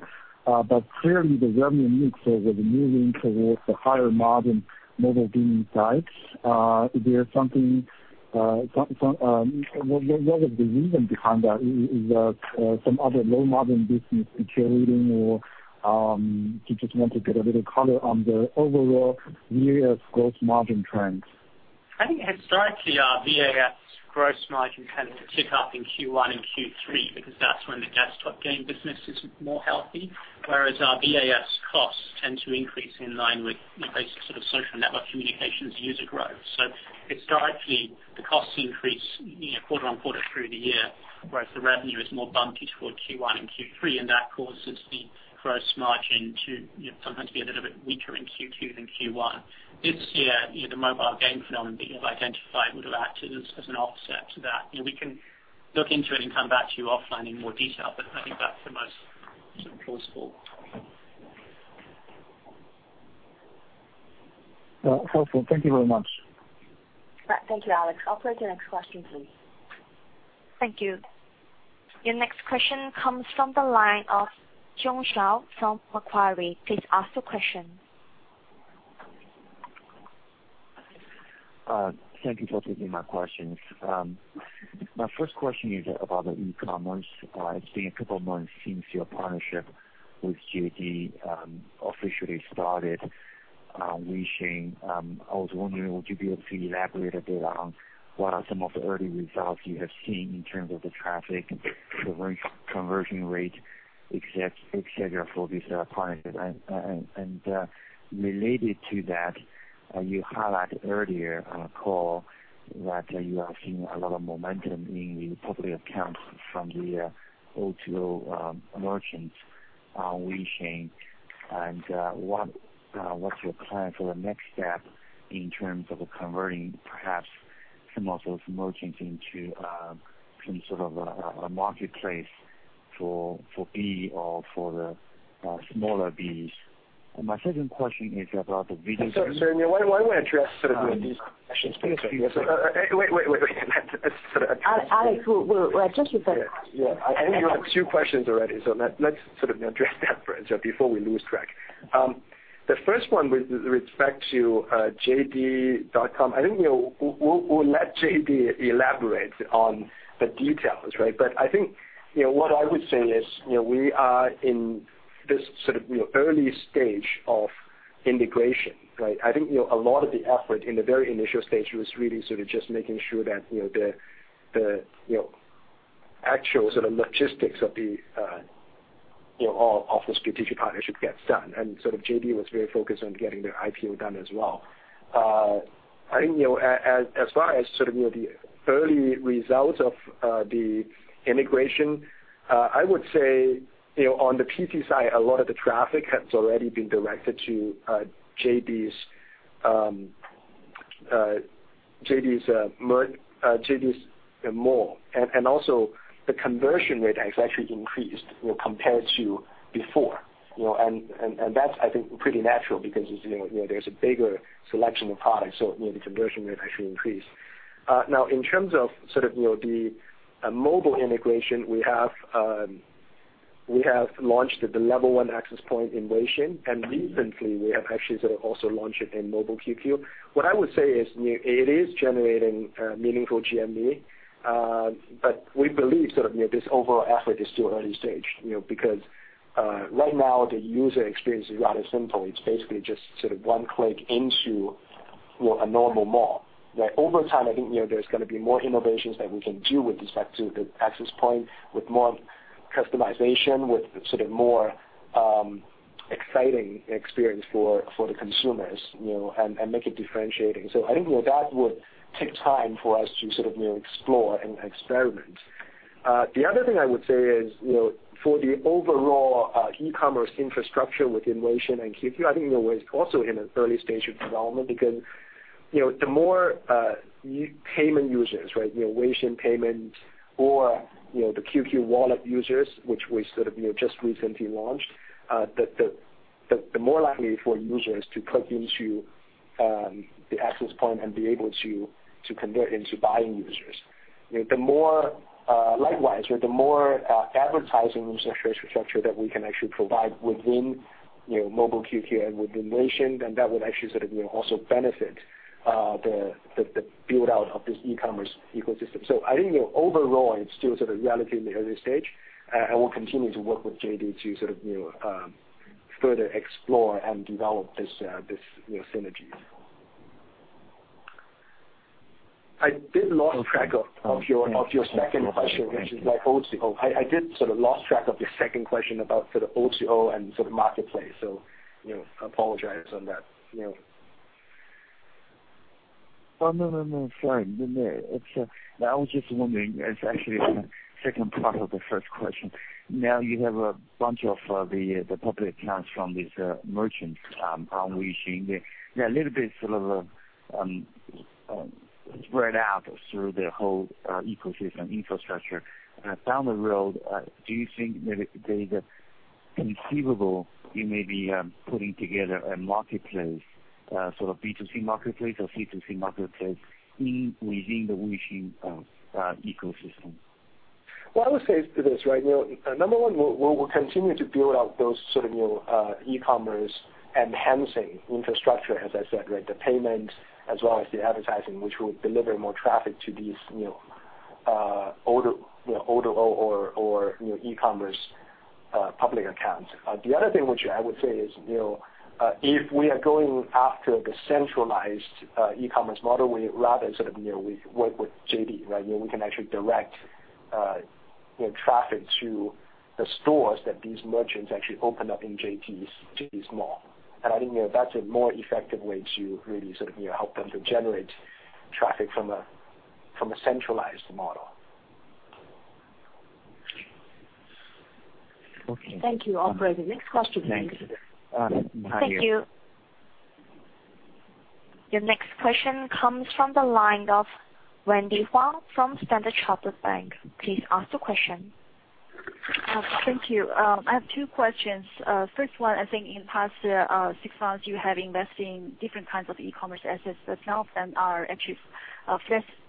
Clearly the revenue mix was moving towards the higher margin mobile game side. What was the reason behind that? Is that some other low-margin business, the carrier or do you just want to get a little color on the overall VAS gross margin trends? I think historically, our VAS gross margin tends to tick up in Q1 and Q3 because that's when the desktop game business is more healthy. Our VAS costs tend to increase in line with basic social network communications user growth. Historically, the costs increase quarter on quarter through the year, whereas the revenue is more bumpy toward Q1 and Q3, and that causes the gross margin to sometimes be a little bit weaker in Q2 than Q1. This year, the mobile game phenomenon that you have identified would have acted as an offset to that. We can look into it and come back to you offline in more detail, I think that's the most plausible. Well, helpful. Thank you very much. Right. Thank you, Alex. Operator, next question please. Thank you. Your next question comes from the line of Xiong Xiao from Macquarie. Please ask the question. Thank you for taking my questions. My first question is about the e-commerce. It's been a couple of months since your partnership with JD officially started on Weixin. I was wondering, would you be able to elaborate a bit on what are some of the early results you have seen in terms of the traffic conversion rate, et cetera, for this partnership? Related to that, you highlighted earlier on our call that you are seeing a lot of momentum in the public accounts from the O2O merchants on Weixin. What's your plan for the next step in terms of converting perhaps some of those merchants into some sort of a marketplace for B or for the smaller Bs? My second question is about the video- Sorry, why don't we address these questions together? Wait. Alex, we'll address you first. Yeah. I think you have two questions already, let's sort of address that first before we lose track. The first one with respect to JD.com, I think, we'll let JD elaborate on the details, right? I think what I would say is, we are in this sort of early stage of integration, right? I think a lot of the effort in the very initial stage was really sort of just making sure that the actual sort of logistics of the strategic partnership gets done. JD was very focused on getting their IPO done as well. I think as far as sort of the early results of the integration, I would say, on the QQ side, a lot of the traffic has already been directed to JD's mall. Also, the conversion rate has actually increased compared to before. That's, I think, pretty natural because there's a bigger selection of products, the conversion rate actually increased. Now, in terms of the mobile integration, we have launched the level 1 access point in Weixin, recently we have actually sort of also launched it in Mobile QQ. What I would say is, it is generating meaningful GMV, we believe this overall effort is still early stage. Because right now the user experience is rather simple. It's basically just sort of one click into a normal mall. Where over time, I think there's going to be more innovations that we can do with respect to the access point, with more customization, with sort of more exciting experience for the consumers, make it differentiating. I think that would take time for us to sort of explore and experiment. The other thing I would say is, for the overall e-commerce infrastructure within Weixin and QQ, I think it's also in an early stage of development because the more payment users, right, Weixin Pay or the QQ Wallet users, which we sort of just recently launched, the more likely for users to click into the access point and be able to convert into buying users. Likewise, the more advertising infrastructure that we can actually provide within Mobile QQ and within Weixin, then that would actually sort of also benefit the build-out of this e-commerce ecosystem. I think overall, it's still sort of relatively early stage, and we'll continue to work with JD.com to sort of further explore and develop these synergies. I did lose track of your second question, which is like O2O. I did sort of lose track of your second question about sort of O2O and sort of marketplace. I apologize on that. Oh, no. Sorry. No, I was just wondering, it's actually the second part of the first question. Now you have a bunch of the public accounts from these merchants on Weixin. They're a little bit sort of spread out through the whole ecosystem infrastructure. Down the road, do you think that it is conceivable you may be putting together a marketplace, sort of B2C marketplace or C2C marketplace within the Weixin ecosystem? Well, I would say this, right? Number 1, we'll continue to build out those sort of e-commerce enhancing infrastructure, as I said, right? The payment as well as the advertising, which will deliver more traffic to these O2O or e-commerce public accounts. The other thing which I would say is, if we are going after the centralized e-commerce model, rather than sort of work with JD.com, right? We can actually direct traffic to the stores that these merchants actually open up in JD.com's mall. I think that's a more effective way to really sort of help them to generate traffic from a centralized model. Okay. Thank you. Operator, next question please. Thanks. Thank you. Your next question comes from the line of Wendy Huang from Standard Chartered Bank. Please ask the question. Thank you. I have two questions. First one, I think in the past six months, you have invested in different kinds of e-commerce assets, but some of them are actually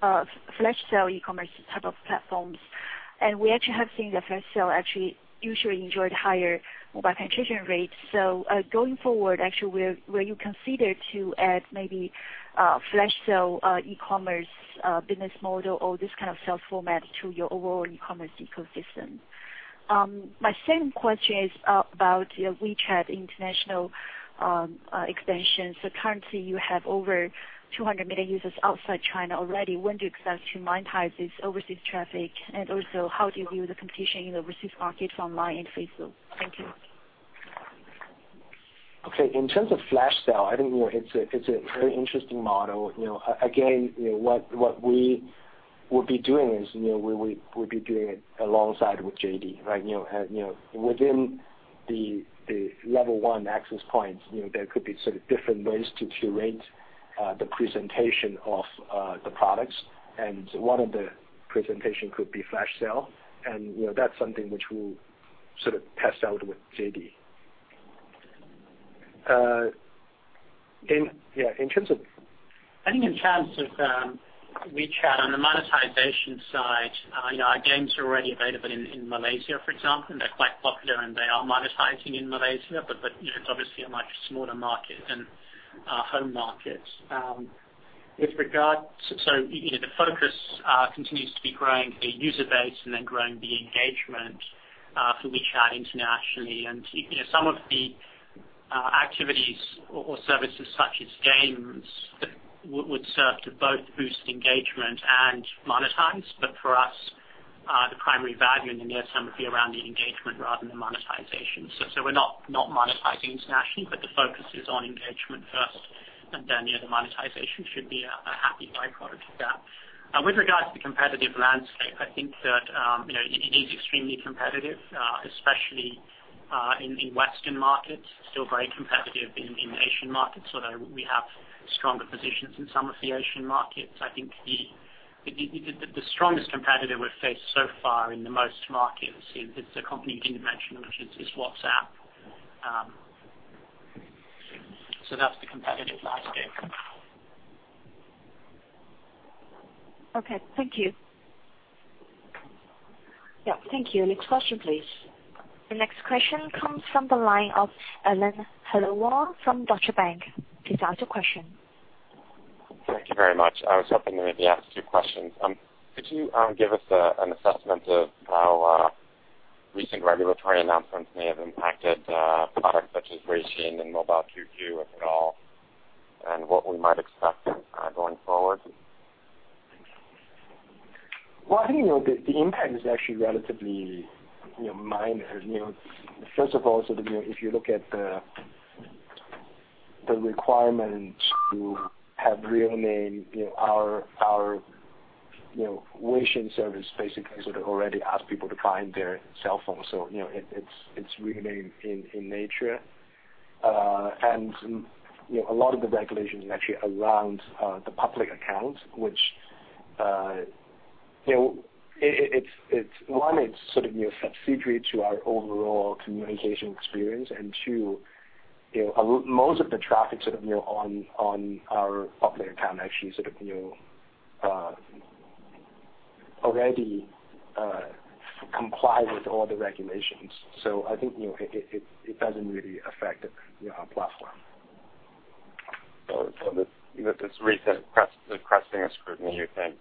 flash sale e-commerce type of platforms. We actually have seen the flash sale usually enjoyed higher mobile penetration rates. Going forward, will you consider to add maybe flash sale e-commerce business model or this kind of sales format to your overall e-commerce ecosystem? My second question is about your WeChat international expansion. Currently, you have over 200 million users outside China already. When do you expect to monetize this overseas traffic, and also, how do you view the competition in the overseas markets online and flash sale? Thank you. Okay. In terms of flash sale, I think it's a very interesting model. Again, what we would be doing is we would be doing it alongside with JD. Within the level 1 access points, there could be sort of different ways to curate the presentation of the products, and one of the presentation could be flash sale. That's something which we'll sort of test out with JD. I think in terms of WeChat, on the monetization side, our games are already available in Malaysia, for example. They're quite popular, and they are monetizing in Malaysia, but it's obviously a much smaller market than our home market. The focus continues to be growing the user base and then growing the engagement for WeChat internationally. Some of the activities or services such as games would serve to both boost engagement and monetize. For us, the primary value in the near term would be around the engagement rather than the monetization. We're not monetizing internationally, but the focus is on engagement first, and then the monetization should be a happy byproduct of that. With regards to competitive landscape, I think that it is extremely competitive, especially in Western markets, still very competitive in Asian markets, although we have stronger positions in some of the Asian markets. I think the strongest competitor we've faced so far in the most markets is a company you didn't mention, which is WhatsApp. That's the competitive landscape. Okay. Thank you. Yeah. Thank you. Next question, please. The next question comes from the line of Alan Hellawell from Deutsche Bank. Please ask your question. Thank you very much. I was hoping to maybe ask two questions. Could you give us an assessment of how recent regulatory announcements may have impacted products such as Weixin and Mobile QQ, if at all, and what we might expect going forward? Well, I think the impact is actually relatively minor. First of all, if you look at the requirements to have real name, our Weixin service basically sort of already asks people to bind their cell phones. It's real name in nature. A lot of the regulation is actually around the public account, which, one, it's sort of subsidiary to our overall communication experience, and two, most of the traffic on our public account actually sort of already comply with all the regulations. I think it doesn't really affect our platform. This recent cresting of scrutiny, you think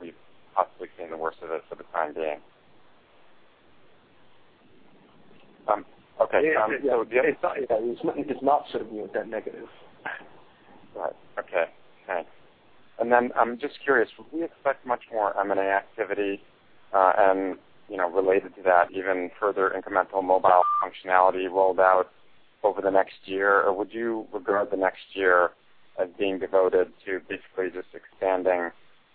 we've possibly seen the worst of it for the time being? Okay. It's not certainly a net negative. Right. Okay. I'm just curious, would we expect much more M&A activity, and related to that, even further incremental mobile functionality rolled out over the next year? Would you regard the next year as being devoted to basically just expanding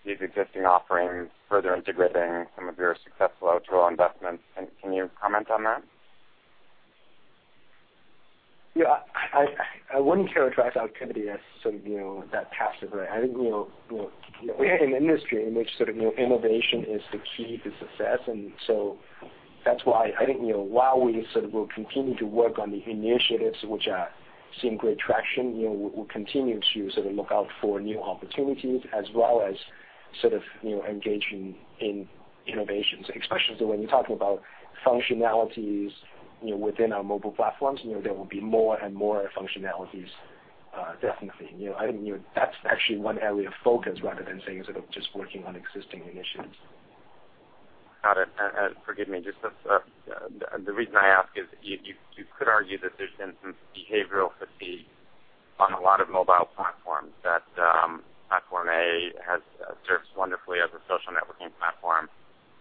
these existing offerings, further integrating some of your successful external investments? Can you comment on that? Yeah. I wouldn't characterize our activity as sort of that passive way. I think we are in an industry in which sort of innovation is the key to success. That's why I think, while we sort of will continue to work on the initiatives which are seeing great traction, we'll continue to sort of look out for new opportunities as well as sort of engaging in innovations, especially when you're talking about functionalities within our mobile platforms. There will be more and more functionalities, definitely. I think that's actually one area of focus rather than saying sort of just working on existing initiatives. Got it. Forgive me, just the reason I ask is you could argue that there's been some behavioral fatigue on a lot of mobile platforms, that platform A serves wonderfully as a social networking platform,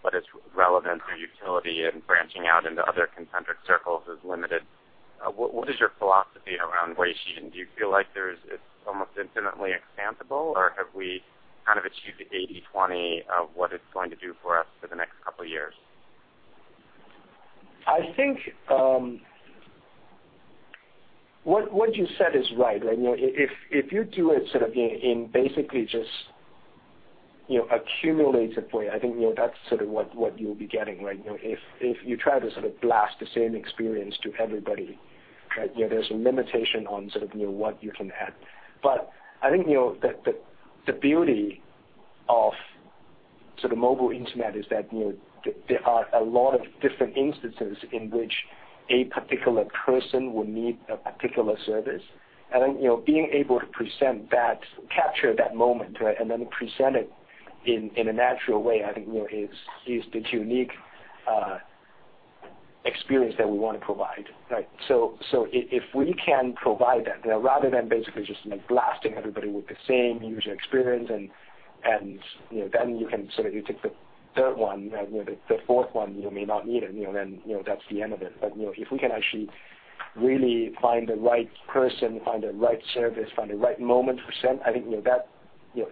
but its relevance or utility in branching out into other concentric circles is limited. What is your philosophy around Weixin? Do you feel like it's almost infinitely expansible, or have we kind of achieved the 80/20 of what it's going to do for us for the next couple of years? I think what you said is right. If you do it in basically just accumulative way, I think that's sort of what you'll be getting. If you try to sort of blast the same experience to everybody, there's a limitation on what you can add. I think the beauty of mobile internet is that there are a lot of different instances in which a particular person will need a particular service. Being able to capture that moment, and then present it in a natural way, I think is the unique experience that we want to provide. If we can provide that, rather than basically just blasting everybody with the same user experience and then you can sort of, you take the third one, the fourth one, you may not need it, then that's the end of it. If we can actually really find the right person, find the right service, find the right moment to present, I think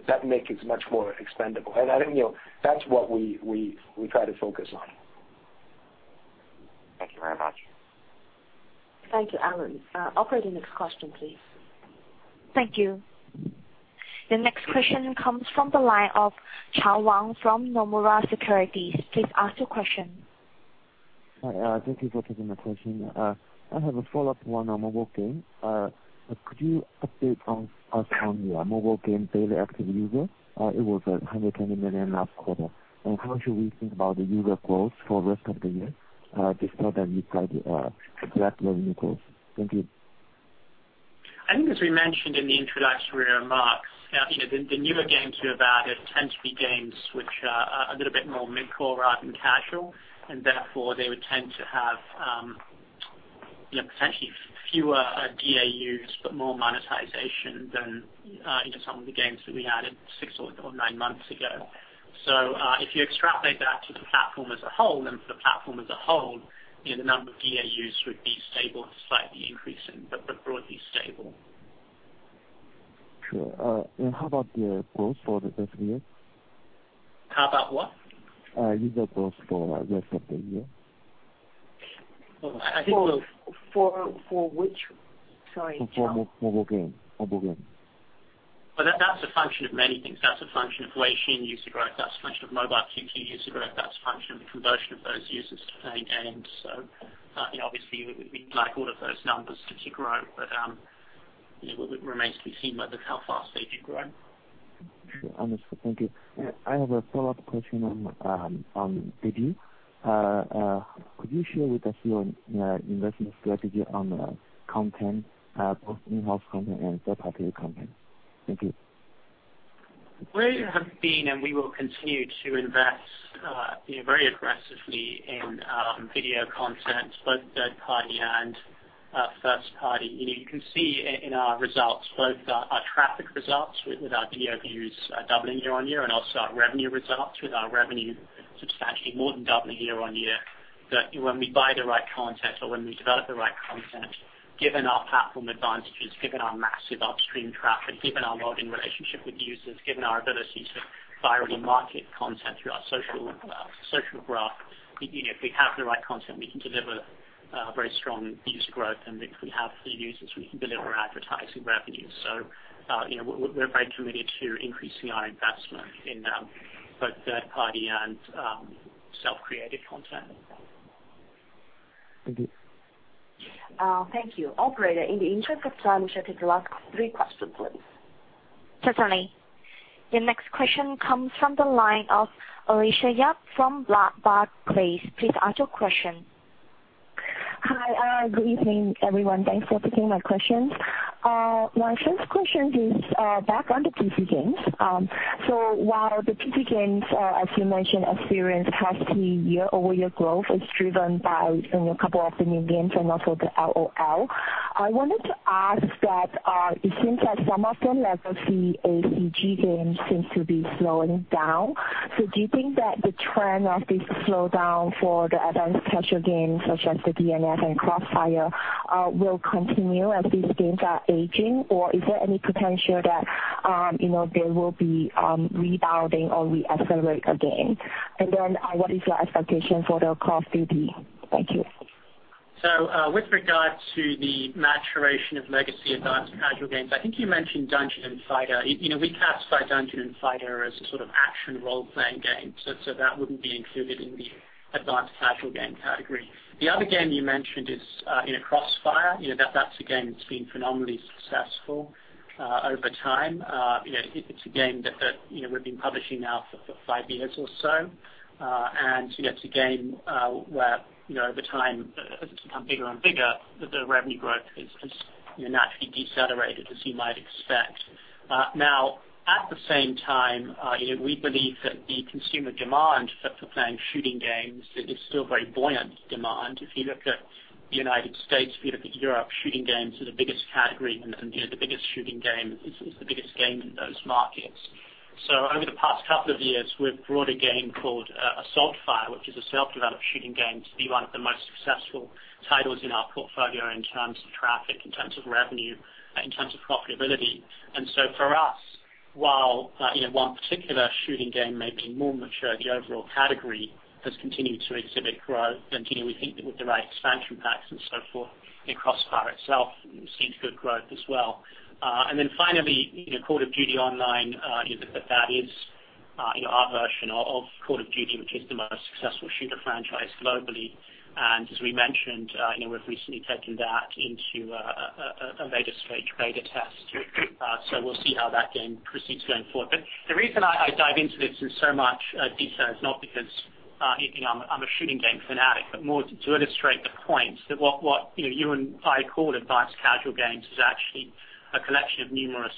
that makes it much more expandable. I think that's what we try to focus on. Thank you very much. Thank you, Alan. Operator, next question, please. Thank you. The next question comes from the line of Chao Wang from Nomura Securities. Please ask your question. Hi. Thank you for taking my question. I have a follow-up one on mobile game. Could you update us on your mobile game Daily Active User? It was 120 million last quarter. How should we think about the user growth for rest of the year? They said that you tried to track your new goals. Thank you. I think as we mentioned in the introductory remarks, the newer games we have added tend to be games which are a little bit more mid-core rather than casual, therefore they would tend to have potentially fewer DAUs, but more monetization than some of the games that we added six or nine months ago. If you extrapolate that to the platform as a whole, then for the platform as a whole, the number of DAUs would be stable to slightly increasing, but broadly stable. Sure. How about the growth for the rest of the year? How about what? User growth for rest of the year. I think- For which? Sorry, Chao. For mobile game. Well, that's a function of many things. That's a function of Weixin user growth, that's a function of Mobile QQ user growth, that's a function of the conversion of those users to play games. Obviously we'd like all of those numbers to keep growing. It remains to be seen like just how fast they should grow. Understood. Thank you. I have a follow-up question on video. Could you share with us your investment strategy on the content, both in-house content and third-party content? Thank you. We have been, and we will continue to invest very aggressively in video content, both third party and first party. You can see in our results, both our traffic results with our DAU views doubling year-on-year and also our revenue results with our revenue substantially more than doubling year-on-year. That when we buy the right content or when we develop the right content, given our platform advantages, given our massive upstream traffic, given our login relationship with users, given our ability to virally market content through our social graph, if we have the right content, we can deliver very strong user growth, and if we have the users, we can deliver advertising revenue. We're very committed to increasing our investment in both third party and self-created content. Thank you. Thank you. Operator, in the interest of time, we take the last three questions, please. Certainly. The next question comes from the line of Alicia Yap from Barclays. Please ask your question. Hi. Good evening, everyone. Thanks for taking my questions. My first question is back on the PC games. While the PC games, as you mentioned, experienced healthy year-over-year growth is driven by a couple of the new games and also the LOL, I wanted to ask that, it seems like some of the legacy ACG games seems to be slowing down. Do you think that the trend of this slowdown for the advanced casual games such as the DNF and CrossFire will continue as these games are aging, or is there any potential that they will be rebounding or re-accelerate again? What is your expectation for the CrossFire? Thank you. With regard to the maturation of legacy advanced casual games, I think you mentioned Dungeon & Fighter. We classify Dungeon & Fighter as a sort of action role-playing game. That wouldn't be included in the advanced casual game category. The other game you mentioned is CrossFire. That's a game that's been phenomenally successful over time. It's a game that we've been publishing now for five years or so. It's a game where over time, as it's become bigger and bigger, the revenue growth has naturally decelerated as you might expect. At the same time, we believe that the consumer demand for playing shooting games is still very buoyant demand. If you look at the U.S., if you look at Europe, shooting games are the biggest category and the biggest shooting game is the biggest game in those markets. Over the past couple of years, we've brought a game called Assault Fire, which is a self-developed shooting game to be one of the most successful titles in our portfolio in terms of traffic, in terms of revenue, in terms of profitability. While one particular shooting game may be more mature, the overall category has continued to exhibit growth. We think that with the right expansion packs and so forth, CrossFire itself seems good growth as well. Finally, Call of Duty Online, that is our version of Call of Duty, which is the most successful shooter franchise globally. As we mentioned, we've recently taken that into a later stage beta test. We'll see how that game proceeds going forward. The reason I dive into this in so much detail is not because I'm a shooting game fanatic, but more to illustrate the point that what you and I call advanced casual games is actually a collection of numerous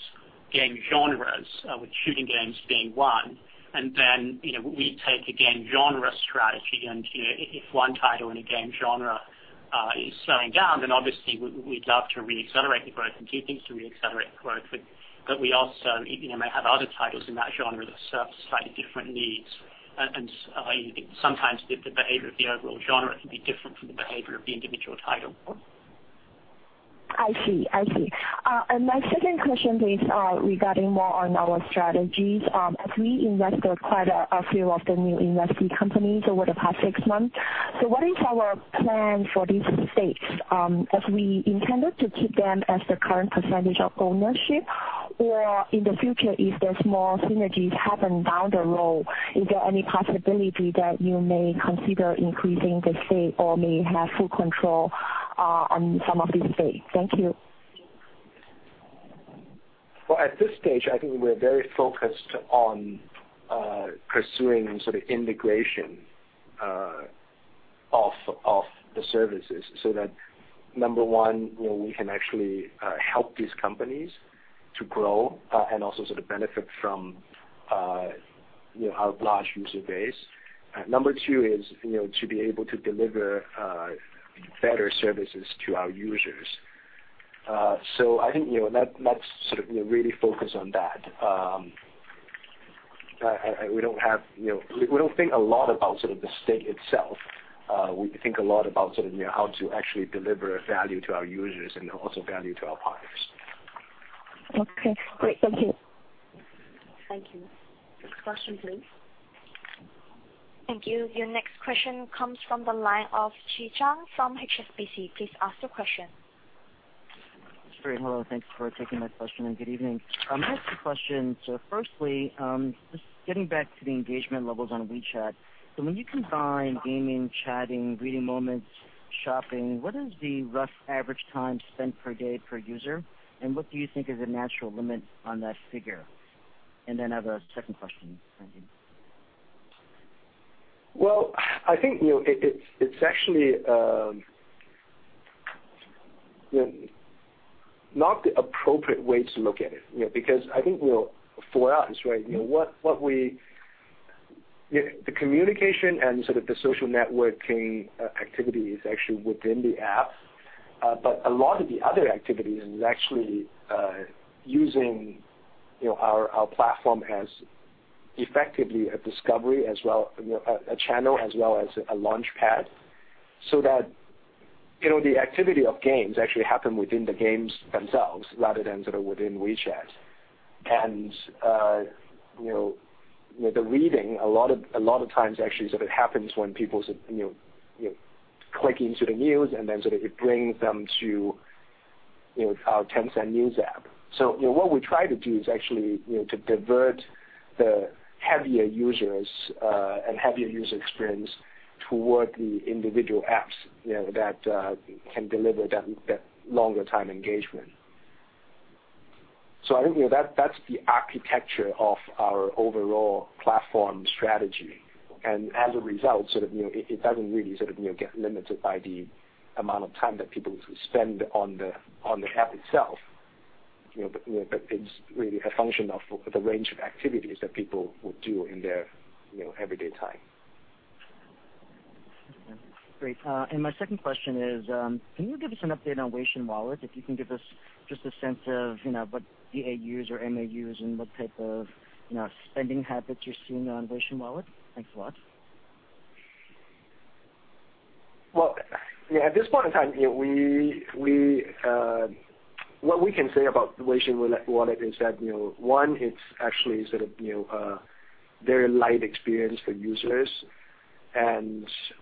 game genres, with shooting games being one. We take a game genre strategy, if one title in a game genre is slowing down, obviously we'd love to re-accelerate the growth and do things to re-accelerate the growth. We also might have other titles in that genre that serve slightly different needs. Sometimes the behavior of the overall genre can be different from the behavior of the individual title. I see. My second question is regarding more on our strategies. We invested quite a few of the new investee companies over the past six months. What is our plan for these stakes? We intended to keep them as the current percentage of ownership or in the future, if there's more synergies happen down the road, is there any possibility that you may consider increasing the stake or may have full control on some of these stakes? Thank you. Well, at this stage, I think we're very focused on pursuing integration of the services so that number 1, we can actually help these companies to grow and also sort of benefit from our large user base. Number 2 is to be able to deliver better services to our users. I think let's really focus on that. We don't think a lot about the stake itself. We think a lot about how to actually deliver value to our users and also value to our partners. Okay, great. Thank you. Thank you. Next question, please. Thank you. Your next question comes from the line of Chi Tsang from HSBC. Please ask the question. Sure. Hello. Thanks for taking my question and good evening. I have two questions. Firstly, just getting back to the engagement levels on WeChat. When you combine gaming, chatting, reading moments, shopping, what is the rough average time spent per day per user? What do you think is a natural limit on that figure? Then I have a second question. Thank you. Well, I think it's actually not the appropriate way to look at it, because I think for us, the communication and sort of the social networking activity is actually within the app. A lot of the other activities is actually using our platform as effectively a discovery, a channel as well as a launch pad, so that the activity of games actually happen within the games themselves rather than within WeChat. With the reading, a lot of times actually, it happens when people click into the news and then it brings them to our Tencent News app. What we try to do is actually to divert the heavier users and heavier user experience toward the individual apps that can deliver that longer time engagement. I think that's the architecture of our overall platform strategy. As a result, it doesn't really get limited by the amount of time that people spend on the app itself, but it's really a function of the range of activities that people will do in their everyday time. Great. My second question is, can you give us an update on Weixin Wallet? If you can give us just a sense of what the AUs or MAUs and what type of spending habits you're seeing on Weixin Wallet? Thanks a lot. Well, at this point in time, what we can say about Weixin Wallet is that, one, it's actually a very light experience for users. As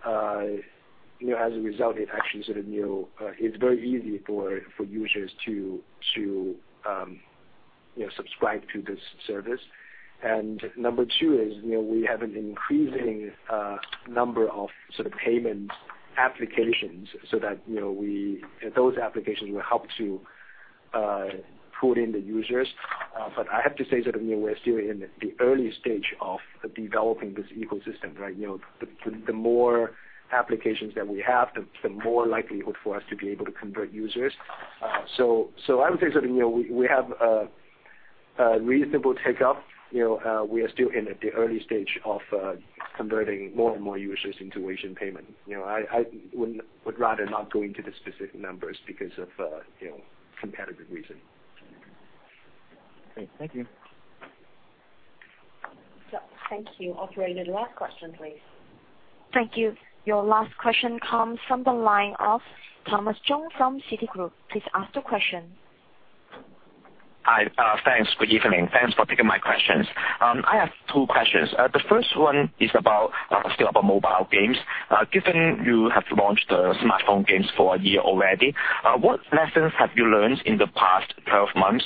a result, it's very easy for users to subscribe to this service. Number two is, we have an increasing number of payment applications, so that those applications will help to pull in the users. I have to say, we're still in the early stage of developing this ecosystem. The more applications that we have, the more likelihood for us to be able to convert users. I would say we have a reasonable take-up. We are still in the early stage of converting more and more users into Weixin payment. I would rather not go into the specific numbers because of competitive reason. Great. Thank you. Thank you. Operator, the last question, please. Thank you. Your last question comes from the line of Thomas Chong from Citigroup. Please ask the question. Hi. Thanks. Good evening. Thanks for taking my questions. I have two questions. The first one is still about mobile games. Given you have launched the smartphone games for a year already, what lessons have you learned in the past 12 months?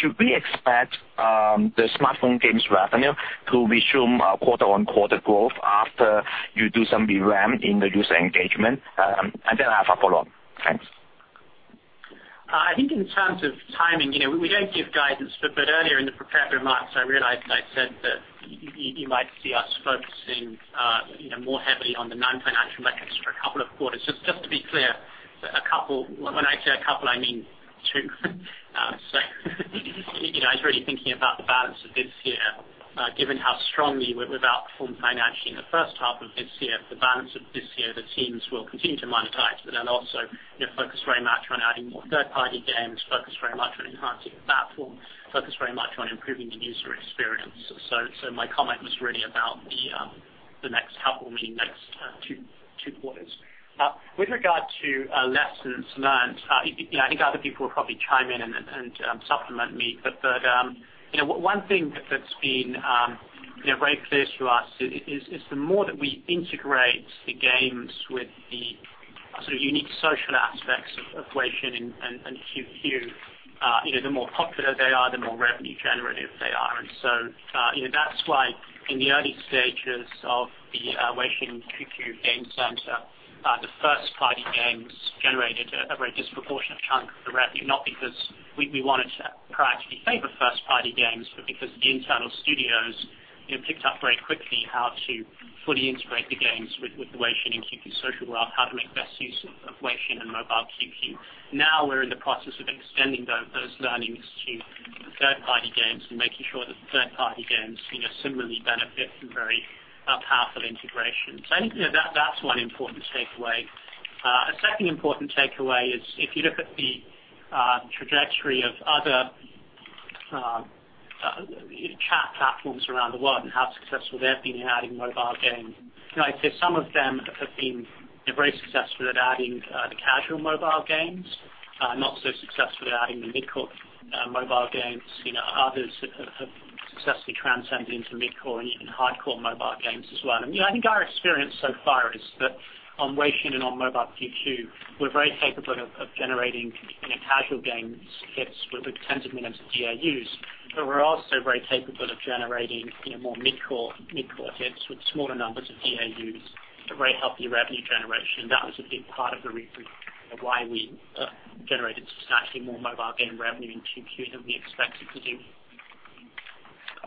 Should we expect the smartphone games revenue to resume quarter-on-quarter growth after you do some revamp in the user engagement? I have a follow-up. Thanks. I think in terms of timing, we don't give guidance, but earlier in the prepared remarks, I realized I said that you might see us focusing more heavily on the non-financial metrics for a couple of quarters. Just to be clear, when I say a couple, I mean two. It's really thinking about the balance of this year, given how strongly we've outperformed financially in the first half of this year. For the balance of this year, the teams will continue to monetize, but then also focus very much on adding more third-party games, focus very much on enhancing the platform, focus very much on improving the user experience. My comment was really about the next couple, meaning next two quarters. With regard to lessons learned, I think other people will probably chime in and supplement me, but one thing that's been very clear to us is the more that we integrate the games with the sort of unique social aspects of WeChat and QQ, the more popular they are, the more revenue generative they are. That's why in the early stages of the WeChat and QQ game center, the first-party games generated a very disproportionate chunk of the revenue, not because we wanted to practically favor first-party games, but because the internal studios picked up very quickly how to fully integrate the games with the WeChat and QQ social graph, how to make best use of WeChat and Mobile QQ. Now we're in the process of extending those learnings to third-party games and making sure that third-party games similarly benefit from very powerful integration. I think that's one important takeaway. A second important takeaway is if you look at the trajectory of other chat platforms around the world and how successful they've been in adding mobile gaming. I'd say some of them have been very successful at adding the casual mobile games, not so successful at adding the mid-core mobile games. Others have successfully transcended into mid-core and even hard-core mobile games as well. I think our experience so far is that on WeChat and on Mobile QQ, we're very capable of generating casual games hits with tens of millions of DAUs, but we're also very capable of generating more mid-core hits with smaller numbers of DAUs at very healthy revenue generation. That was a big part of the reason why we generated substantially more mobile game revenue in Q2 than we expected to do.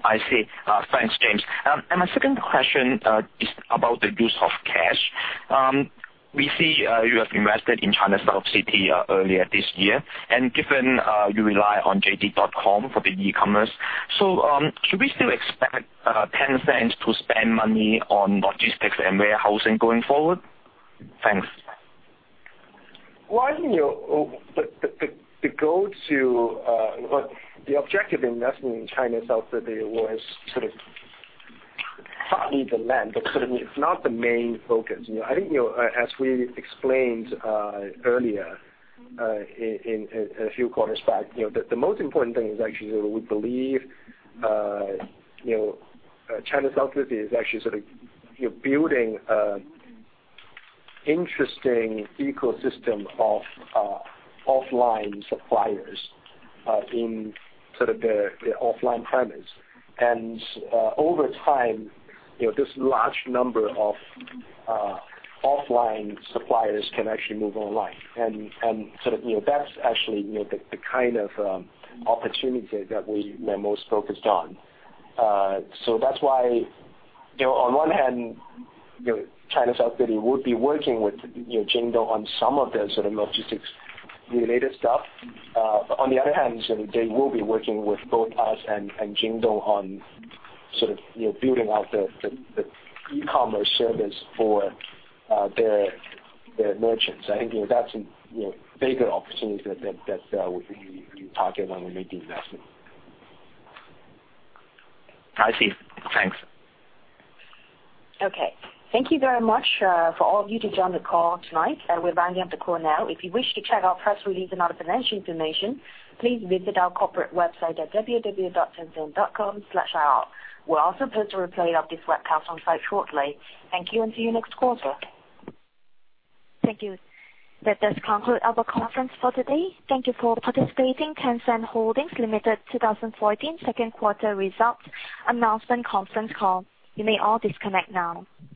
I see. Thanks, James. My second question is about the use of cash. We see you have invested in China South City earlier this year, given you rely on JD.com for the e-commerce, should we still expect Tencent to spend money on logistics and warehousing going forward? Thanks. Well, the objective investment in China South City was sort of partly the land, but certainly it's not the main focus. I think as we explained earlier, a few quarters back, the most important thing is actually we believe China South City is actually sort of building interesting ecosystem of offline suppliers in sort of their offline premise. Over time, this large number of offline suppliers can actually move online, that's actually the kind of opportunity that we are most focused on. That's why, on one hand, China South City would be working with Jingdong on some of the sort of logistics-related stuff. On the other hand, they will be working with both us and Jingdong on sort of building out the e-commerce service for their merchants. I think that's a bigger opportunity that we targeted when we made the investment. I see. Thanks. Okay. Thank you very much for all of you who joined the call tonight. We're winding up the call now. If you wish to check our press release and other financial information, please visit our corporate website at www.tencent.com/ir. We'll also post a replay of this webcast on site shortly. Thank you, and see you next quarter. Thank you. That does conclude our conference for today. Thank you for participating. Tencent Holdings Limited 2014 second quarter results announcement conference call. You may all disconnect now.